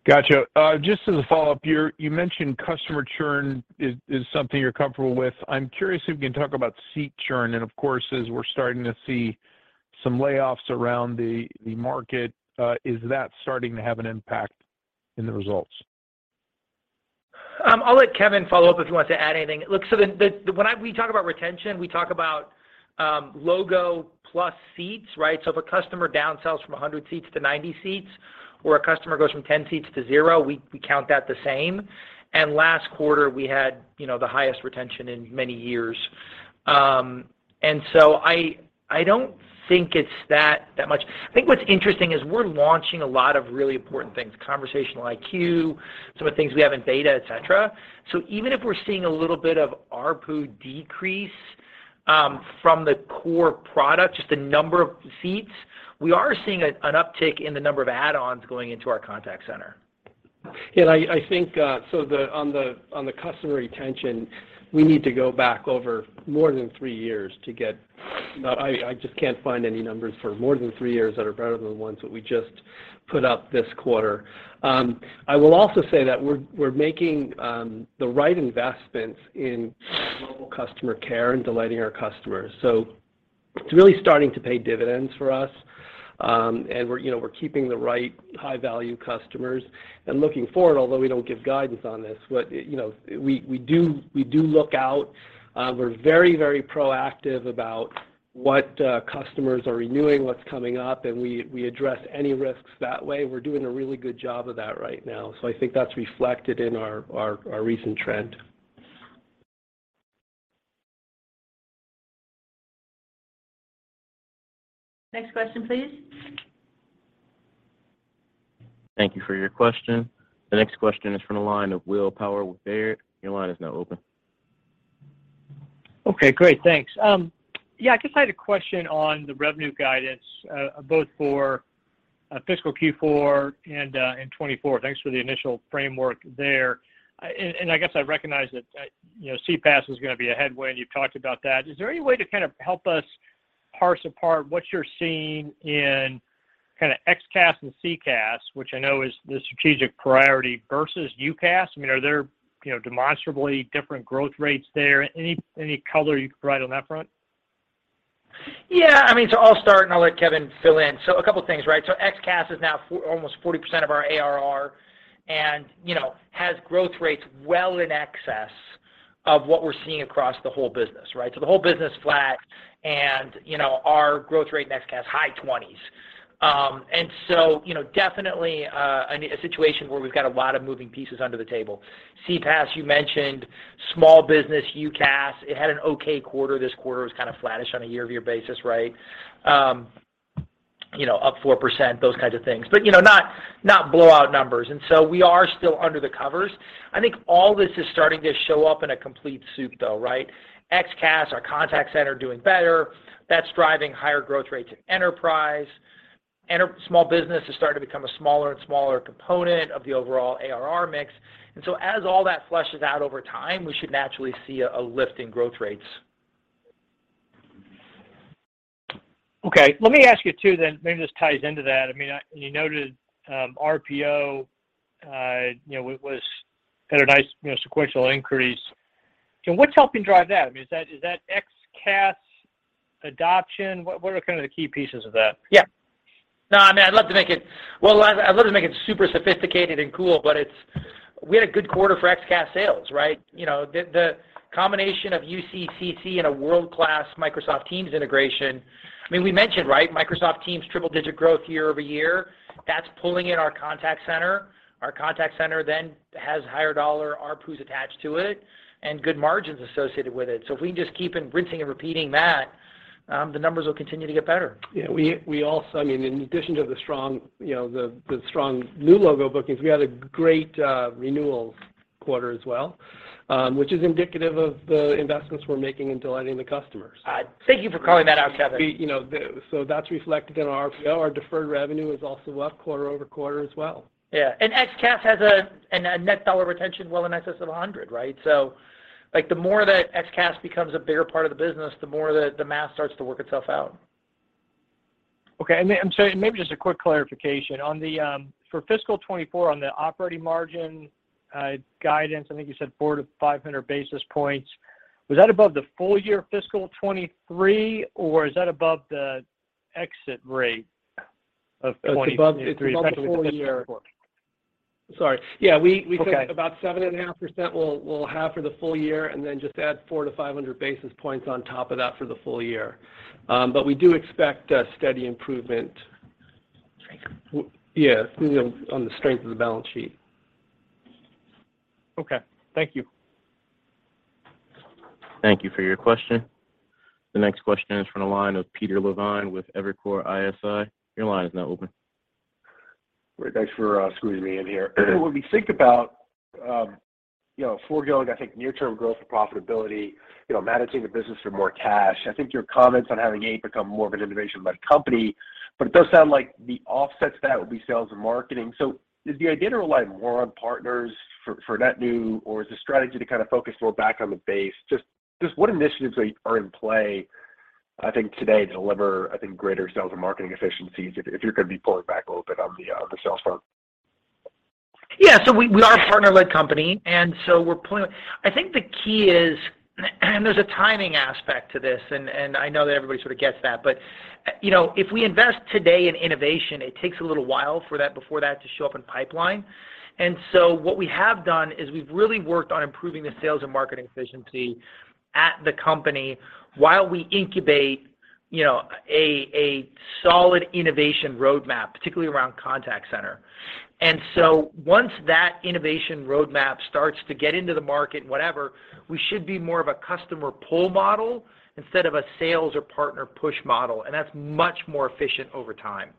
S10: Gotcha. Just as a follow-up, you mentioned customer churn is something you're comfortable with. I'm curious if you can talk about seat churn? Of course, as we're starting to see some layoffs around the market, is that starting to have an impact in the results?
S3: I'll let Kevin Kraus follow up if he wants to add anything. Look, when we talk about retention, we talk about logo plus seats, right? If a customer downsells from 100 seats to 90 seats, or a customer goes from 10 seats to zero, we count that the same. Last quarter, we had, you know, the highest retention in many years. I don't think it's that much. I think what's interesting is we're launching a lot of really important things, 8x8 Conversation IQ, some of the things we have in beta, et cetera. Even if we're seeing a little bit of ARPU decrease from the core product, just the number of seats, we are seeing an uptick in the number of add-ons going into our contact center.
S4: I think on the customer retention, we need to go back over more than three years to get. I just can't find any numbers for more than three years that are better than the ones that we just put up this quarter. I will also say that we're making the right investments in Global Customer Care and delighting our customers. It's really starting to pay dividends for us, and we're, you know, we're keeping the right high-value customers. Looking forward, although we don't give guidance on this, but, you know, we do look out. We're very, very proactive about what customers are renewing, what's coming up, and we address any risks that way. We're doing a really good job of that right now. I think that's reflected in our recent trend.
S2: Next question, please.
S1: Thank you for your question. The next question is from the line of William Power with Baird. Your line is now open.
S11: Okay, great. Thanks. I guess I had a question on the revenue guidance, both for fiscal Q4 and 2024. Thanks for the initial framework there. I guess I recognize that, you know, CPaaS is gonna be a headwind. You've talked about that. Is there any way to kinda help us parse apart what you're seeing in kinda XCaaS and CCaaS, which I know is the strategic priority, versus UCaaS? I mean, are there, you know, demonstrably different growth rates there? Any color you could provide on that front?
S3: Yeah. I mean, I'll start, and I'll let Kevin fill in. A couple things, right? XCaaS is now for almost 40% of our ARR and, you know, has growth rates well in excess of what we're seeing across the whole business, right? The whole business flat and, you know, our growth rate in XCaaS, high 20s. Definitely, a situation where we've got a lot of moving pieces under the table. CPaaS, you mentioned. Small business, UCaaS, it had an okay quarter. This quarter was kinda flattish on a year-over-year basis, right? You know, up 4%, those kinds of things. Not, not blowout numbers. We are still under the covers. I think all this is starting to show up in a complete soup, though, right? XCaaS, our contact center doing better. That's driving higher growth rates in enterprise. Small business is starting to become a smaller and smaller component of the overall ARR mix. As all that fleshes out over time, we should naturally see a lift in growth rates.
S11: Let me ask you, too, then, maybe this ties into that. I mean, you noted, RPO, you know, was had a nice, you know, sequential increase. What's helping drive that? I mean, is that, is that XCaaS adoption? What, what are kinda the key pieces of that?
S3: Yeah. No, I mean, I'd love to make it super sophisticated and cool, we had a good quarter for XCaaS sales, right? You know, the combination of UCCC and a world-class Microsoft Teams integration. I mean, we mentioned, right? Microsoft Teams triple-digit growth year-over-year. That's pulling in our contact center. Our contact center then has higher dollar ARPUs attached to it and good margins associated with it. If we can just keep rinsing and repeating that, the numbers will continue to get better.
S4: We also, I mean, in addition to the strong, you know, the strong new logo bookings, we had a great renewals quarter as well, which is indicative of the investments we're making in delighting the customers.
S3: Thank you for calling that out, Kevin.
S4: The, you know, that's reflected in our RPO. Our deferred revenue is also up quarter-over-quarter as well.
S3: Yeah. XCaaS has a net dollar retention well in excess of 100, right? Like, the more that XCaaS becomes a bigger part of the business, the more the math starts to work itself out.
S11: Okay. Then, I'm sorry, maybe just a quick clarification. On the for fiscal 2024 on the operating margin guidance, I think you said 400-500 basis points. Was that above the full year fiscal 2023, or is that above the exit rate of 2023?
S4: It's above the full year.
S3: That's for 2024.
S4: Sorry. Yeah. We think.
S11: Okay...
S4: about 7.5% we'll have for the full year. Then just add 400-500 basis points on top of that for the full year. We do expect a steady improvement.
S3: Strength...
S4: Yeah, you know, on the strength of the balance sheet.
S11: Okay. Thank you.
S1: Thank you for your question. The next question is from the line of Peter Levine with Evercore ISI. Your line is now open.
S7: Great. Thanks for squeezing me in here. When we think about, you know, foregoing, I think, near-term growth and profitability, you know, managing the business for more cash, I think your comments on having eight become more of an innovation-led company, but it does sound like the offset to that would be sales and marketing. Is the idea to rely more on partners for NetNew, or is the strategy to kind of focus more back on the base? Just what initiatives are in play, I think, today deliver, I think, greater sales and marketing efficiencies if you're gonna be pulling back a little bit on the sales front?
S3: Yeah. We, we are a partner-led company, and so we're pulling... I think the key is, and there's a timing aspect to this, and I know that everybody sort of gets that. But, you know, if we invest today in innovation, it takes a little while before that to show up in pipeline. What we have done is we've really worked on improving the sales and marketing efficiency at the company while we incubate, you know, a solid innovation roadmap, particularly around contact center. Once that innovation roadmap starts to get into the market, whatever, we should be more of a customer pull model instead of a sales or partner push model, and that's much more efficient over time.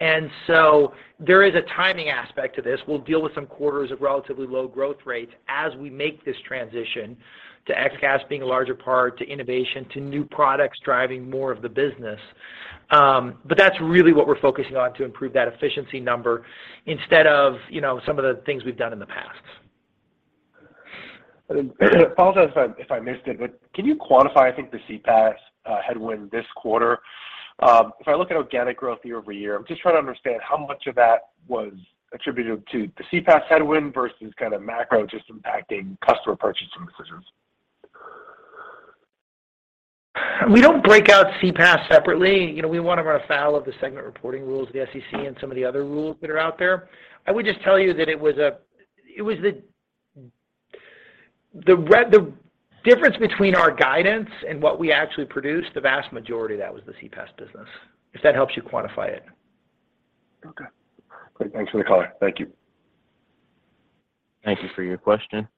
S3: There is a timing aspect to this. We'll deal with some quarters of relatively low growth rates as we make this transition to XCaaS being a larger part, to innovation, to new products driving more of the business. That's really what we're focusing on to improve that efficiency number instead of, you know, some of the things we've done in the past.
S7: Apologize if I missed it, but can you quantify, I think, the CPaaS headwind this quarter? If I look at organic growth year-over-year, I'm just trying to understand how much of that was attributed to the CPaaS headwind versus kind of macro just impacting customer purchasing decisions?
S3: We don't break out CPaaS separately. You know, we want to run afoul of the segment reporting rules of the SEC and some of the other rules that are out there. I would just tell you that it was the difference between our guidance and what we actually produced, the vast majority of that was the CPaaS business, if that helps you quantify it.
S7: Okay. Great. Thanks for the color. Thank you.
S1: Thank you for your question.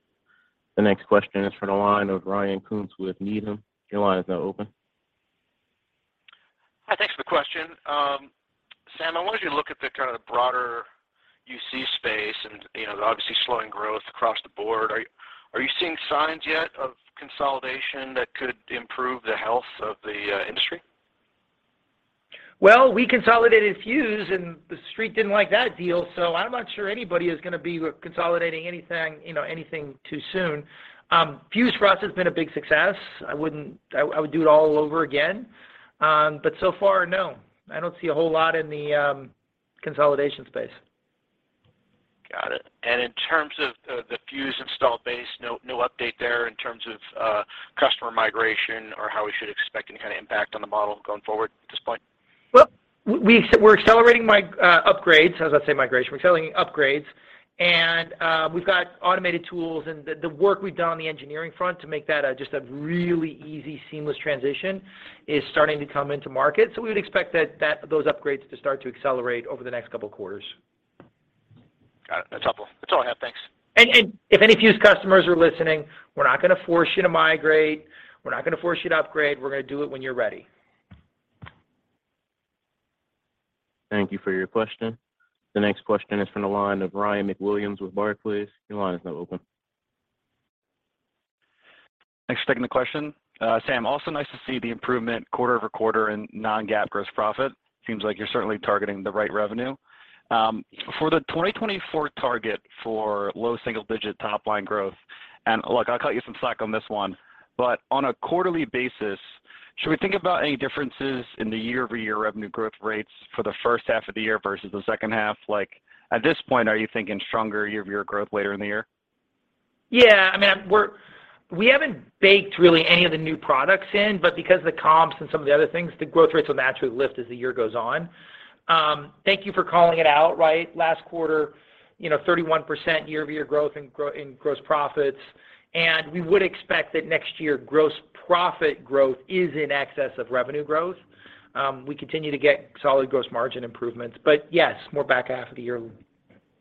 S1: The next question is from the line of Ryan Koontz with Needham. Your line is now open.
S12: Hi, thanks for the question. Sam, I wanted you to look at the kind of broader UC space and, you know, the obviously slowing growth across the board. Are you seeing signs yet of consolidation that could improve the health of the industry?
S3: We consolidated Fuze and the Street didn't like that deal, so I'm not sure anybody is gonna be consolidating anything, you know, anything too soon. Fuze for us has been a big success. I would do it all over again. So far, no, I don't see a whole lot in the consolidation space.
S12: Got it. In terms of the Fuze install base, update there in terms of customer migration or how we should expect any kind of impact on the model going forward at this point?
S3: Well, we're accelerating upgrades. I was about to say migration. We're accelerating upgrades, and we've got automated tools, and the work we've done on the engineering front to make that just a really easy, seamless transition is starting to come into market. We would expect that those upgrades to start to accelerate over the next couple quarters.
S12: Got it. That's helpful. That's all I have. Thanks.
S3: If any Fuze customers are listening, we're not gonna force you to migrate. We're not gonna force you to upgrade. We're gonna do it when you're ready.
S1: Thank you for your question. The next question is from the line of Ryan MacWilliams with Barclays. Your line is now open.
S13: Thanks for taking the question. Sam, also nice to see the improvement quarter-over-quarter in non-GAAP gross profit. Seems like you're certainly targeting the right revenue. For the 2024 target for low single-digit top-line growth, and look, I'll cut you some slack on this one, but on a quarterly basis, should we think about any differences in the year-over-year revenue growth rates for the first half of the year versus the second half? At this point, are you thinking stronger year-over-year growth later in the year?
S3: Yeah. I mean, we haven't baked really any of the new products in, but because of the comps and some of the other things, the growth rates will naturally lift as the year goes on. Thank you for calling it out, right? Last quarter, you know, 31% year-over-year growth in gross profits, and we would expect that next year gross profit growth is in excess of revenue growth. We continue to get solid gross margin improvements. Yes, more back half of the year.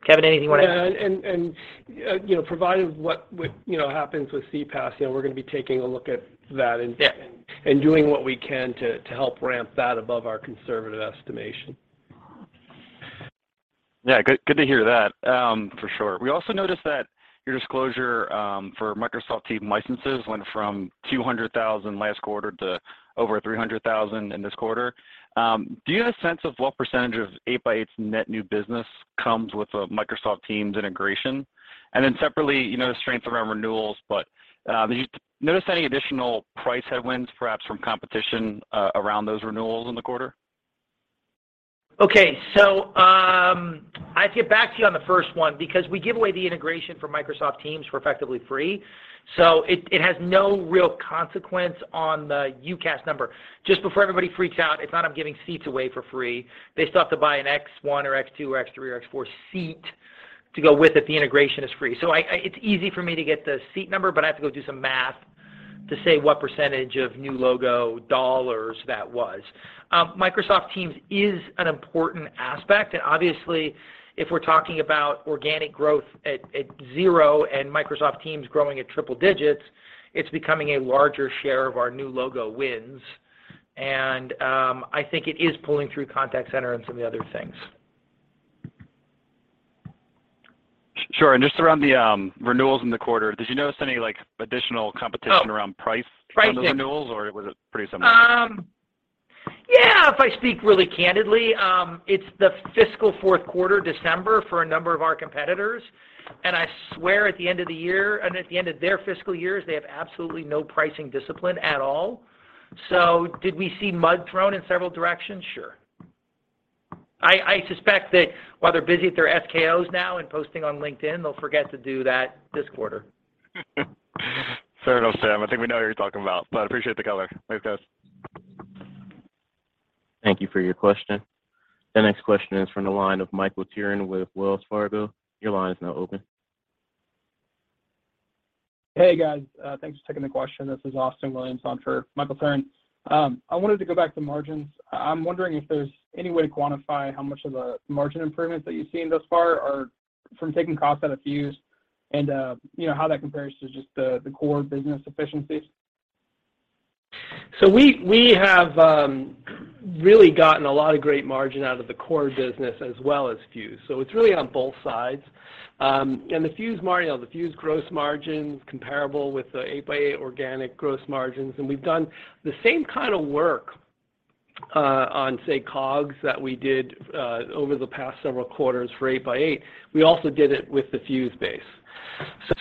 S3: Kevin, anything you wanna add?
S4: Yeah. You know, provided what you know, happens with CPaaS, you know, we're gonna be taking a look at that.
S3: Yeah...
S4: and doing what we can to help ramp that above our conservative estimation.
S13: Yeah. Good, good to hear that, for sure. We also noticed that your disclosure for Microsoft Teams licenses went from 200,000 last quarter to over 300,000 in this quarter. Do you have a sense of what % of 8x8's net new business comes with the Microsoft Teams integration? Separately, you know, the strength around renewals, did you notice any additional price headwinds, perhaps from competition, around those renewals in the quarter?
S3: Okay. I have to get back to you on the first one because we give away the integration for Microsoft Teams for effectively free, so it has no real consequence on the UCaaS number. Just before everybody freaks out, it's not I'm giving seats away for free. They still have to buy an X1 or X2 or X3 or X4 seat to go with it. The integration is free. It's easy for me to get the seat number, but I have to go do some math to say what % of new logo dollars that was. Microsoft Teams is an important aspect, and obviously, if we're talking about organic growth at zero and Microsoft Teams growing at triple digits, it's becoming a larger share of our new logo wins. I think it is pulling through Contact Center and some of the other things.
S13: Sure. just around the renewals in the quarter, did you notice any, like, additional?
S3: Oh...
S13: around price-
S3: Pricing...
S13: on those renewals? Was it pretty similar?
S3: Yeah, if I speak really candidly, it's the fiscal fourth quarter, December, for a number of our competitors. I swear at the end of the year and at the end of their fiscal years, they have absolutely no pricing discipline at all. Did we see mud thrown in several directions? Sure. I suspect that while they're busy with their SKOs now and posting on LinkedIn, they'll forget to do that this quarter.
S13: Fair enough, Sam. I think we know who you're talking about, but appreciate the color. Thanks, guys.
S1: Thank you for your question. The next question is from the line of Michael Turrin with Wells Fargo. Your line is now open.
S14: Hey, guys. Thanks for taking the question. This is Austin Williams on for Michael Turrin. I wanted to go back to margins. I'm wondering if there's any way to quantify how much of a margin improvement that you've seen thus far are from taking costs out of Fuze and, you know, how that compares to just the core business efficiencies.
S4: We have really gotten a lot of great margin out of the core business as well as Fuze. It's really on both sides. And the Fuze you know, the Fuze gross margin's comparable with the 8x8 organic gross margins, and we've done the same kind of work on, say, COGS that we did over the past several quarters for 8x8. We also did it with the Fuze base.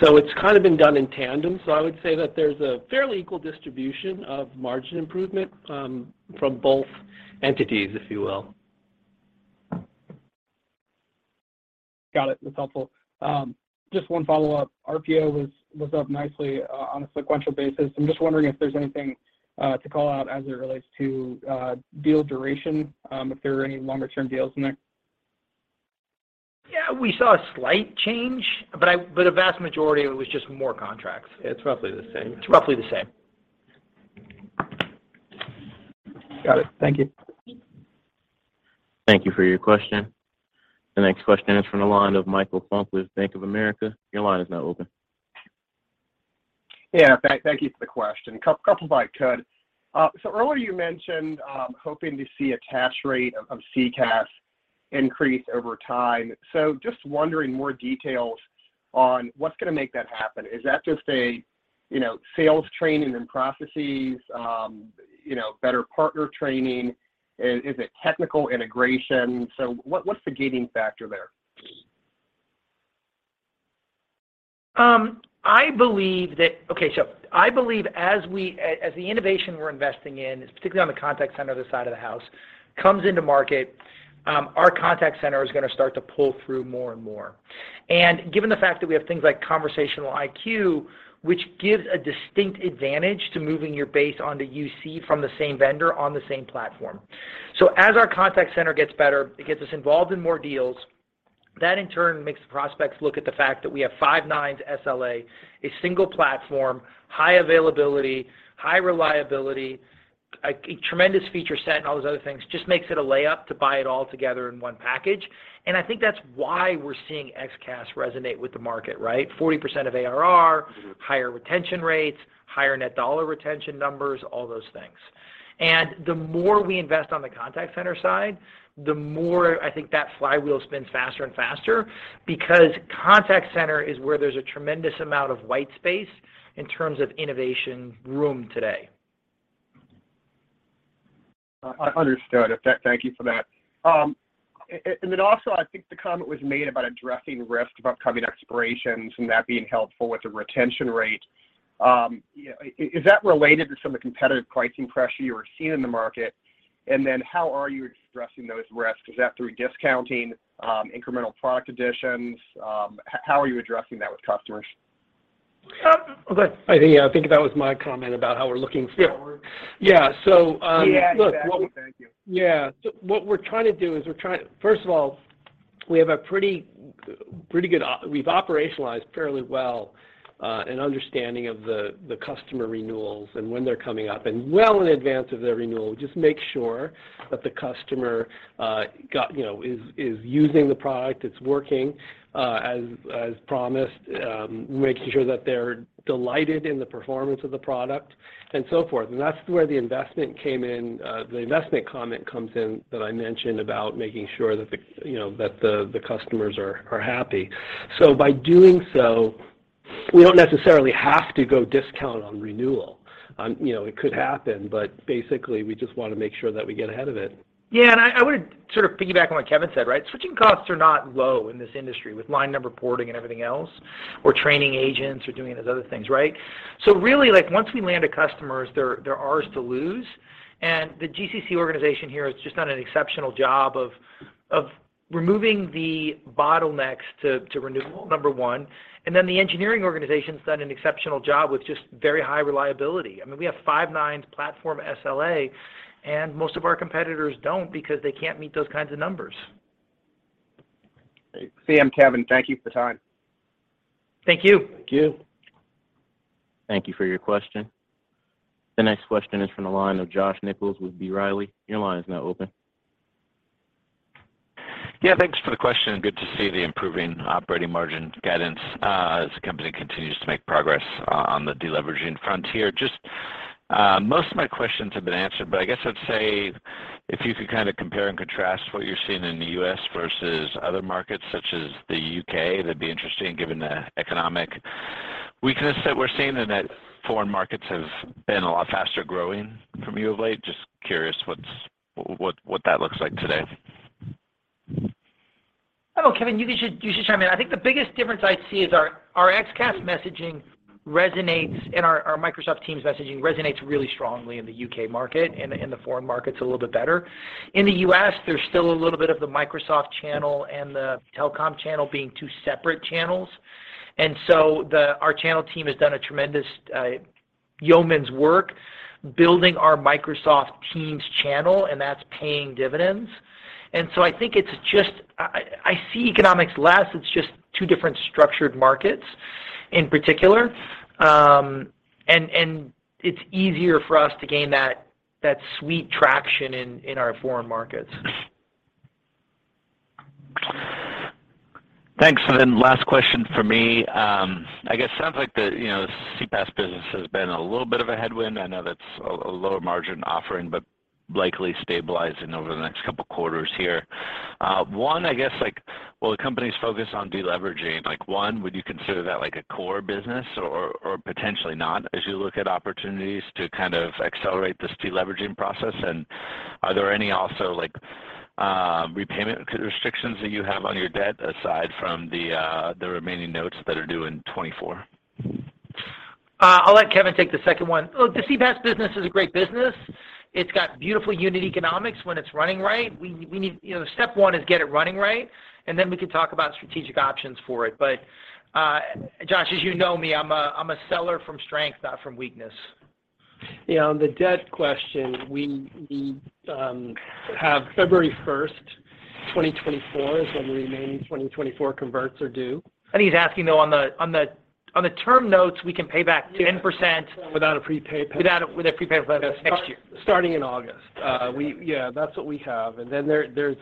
S4: It's kind of been done in tandem. I would say that there's a fairly equal distribution of margin improvement from both entities, if you will.
S14: Got it. That's helpful. Just one follow-up. RPO was up nicely on a sequential basis. I'm just wondering if there's anything to call out as it relates to deal duration, if there are any longer-term deals in there.
S3: Yeah. We saw a slight change, but a vast majority of it was just more contracts.
S4: It's roughly the same.
S3: It's roughly the same.
S14: Got it. Thank you.
S1: Thank you for your question. The next question is from the line of Michael Funk with Bank of America. Your line is now open.
S15: Yeah. Thank you for the question. Couple if I could. Earlier you mentioned, hoping to see a cash rate of CCaaS increase over time. Just wondering more details on what's gonna make that happen. Is that just a, you know, sales training and processes, you know, better partner training? Is it technical integration? What's the gating factor there?
S3: I believe that. I believe as the innovation we're investing in, particularly on the contact center side of the house, comes into market, our contact center is gonna start to pull through more and more. Given the fact that we have things like 8x8 Conversation IQ, which gives a distinct advantage to moving your base onto UC from the same vendor on the same platform. As our contact center gets better, it gets us involved in more deals. That in turn makes the prospects look at the fact that we have five nines SLA, a single platform, high availability, high reliability, a tremendous feature set, and all those other things, just makes it a layup to buy it all together in one package. I think that's why we're seeing XCaaS resonate with the market, right? 40% of ARR-
S15: Mm-hmm.
S3: Higher retention rates, higher Net Dollar Retention numbers, all those things. The more we invest on the contact center side, the more I think that flywheel spins faster and faster because contact center is where there's a tremendous amount of white space in terms of innovation room today.
S15: Understood. Thank you for that. Also I think the comment was made about addressing risk of upcoming expirations and that being helpful with the retention rate. You know, is that related to some of the competitive pricing pressure you were seeing in the market? How are you addressing those risks? Is that through discounting, incremental product additions? How are you addressing that with customers?
S4: Go ahead. I think, yeah, I think that was my comment about how we're looking for-.
S15: Yeah.
S4: Yeah.
S15: Yeah. Exactly. Thank you.
S4: What we're trying to do is first of all, we have a pretty good we've operationalized fairly well, an understanding of the customer renewals and when they're coming up, and well in advance of their renewal, just make sure that the customer, you know, is using the product, it's working, as promised, making sure that they're delighted in the performance of the product and so forth. That's where the investment came in, the investment comment comes in that I mentioned about making sure that, you know, the customers are happy. By doing so, we don't necessarily have to go discount on renewal. You know, it could happen, but basically, we just wanna make sure that we get ahead of it.
S3: Yeah. I would sort of piggyback on what Kevin said, right? Switching costs are not low in this industry with line number porting and everything else, or training agents or doing those other things, right? Really, like, once we land a customer, they're ours to lose, and the GCC organization here has just done an exceptional job of removing the bottlenecks to renewal, number one. Then the engineering organization's done an exceptional job with just very high reliability. I mean, we have five nines platform SLA, and most of our competitors don't because they can't meet those kinds of numbers.
S15: Great. Sam, Kevin, thank you for the time.
S3: Thank you.
S4: Thank you.
S1: Thank you for your question. The next question is from the line of Josh Nichols with B. Riley. Your line is now open.
S16: Yeah. Thanks for the question. Good to see the improving operating margin guidance, as the company continues to make progress on the deleveraging frontier. Just, most of my questions have been answered, but I guess I'd say if you could kinda compare and contrast what you're seeing in the U.S. versus other markets such as the U.K., that'd be interesting given the economic weakness that we're seeing in that foreign markets have been a lot faster growing from you of late. Just curious what that looks like today.
S3: I know, Kevin, you should chime in. I think the biggest difference I see is our XCaaS messaging resonates, and our Microsoft Teams messaging resonates really strongly in the U.K. market and in the foreign markets a little bit better. In the U.S., there's still a little bit of the Microsoft channel and the telecom channel being two separate channels. Our channel team has done a tremendous yeoman's work building our Microsoft Teams channel, and that's paying dividends. I see economics less. It's just two different structured markets in particular. And it's easier for us to gain that sweet traction in our foreign markets.
S16: Thanks. Last question for me. I guess sounds like the, you know, CPaaS business has been a little bit of a headwind. I know that's a lower margin offering, but likely stabilizing over the next couple quarters here. One, I guess, like, while the company's focused on deleveraging, like, one, would you consider that like a core business or potentially not as you look at opportunities to kind of accelerate this deleveraging process? Are there any also, like, repayment restrictions that you have on your debt aside from the remaining notes that are due in 2024?
S3: I'll let Kevin take the second one. Well, the CPaaS business is a great business. It's got beautiful unit economics when it's running right. We need... You know, step one is get it running right, and then we can talk about strategic options for it. Josh, as you know me, I'm a seller from strength, not from weakness.
S4: Yeah, on the debt question, we have February 1, 2024 is when the remaining 2024 converts are due.
S3: He's asking, though, on the term notes, we can pay back.
S4: Without a prepaid penalty.
S3: Without with a prepaid penalty next year.
S4: Starting in August. Yeah, that's what we have. There is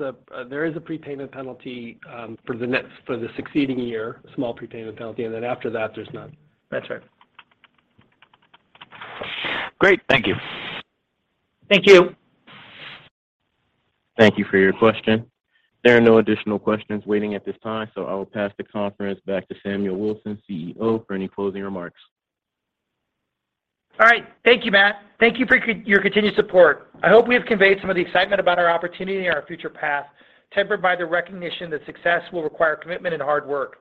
S4: a prepayment penalty for the succeeding year, small prepayment penalty, and then after that, there's none.
S3: That's right.
S16: Great. Thank you.
S3: Thank you.
S1: Thank you for your question. There are no additional questions waiting at this time, so I will pass the conference back to Samuel Wilson, CEO, for any closing remarks.
S3: All right. Thank you, Matt. Thank you for your continued support. I hope we have conveyed some of the excitement about our opportunity and our future path, tempered by the recognition that success will require commitment and hard work.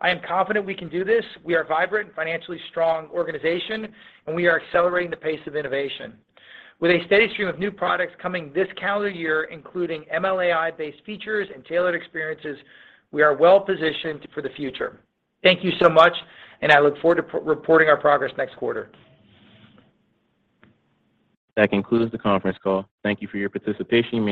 S3: I am confident we can do this. We are a vibrant and financially strong organization, and we are accelerating the pace of innovation. With a steady stream of new products coming this calendar year, including ML/AI-based features and tailored experiences, we are well-positioned for the future. Thank you so much, and I look forward to reporting our progress next quarter.
S1: That concludes the conference call. Thank you for your participation.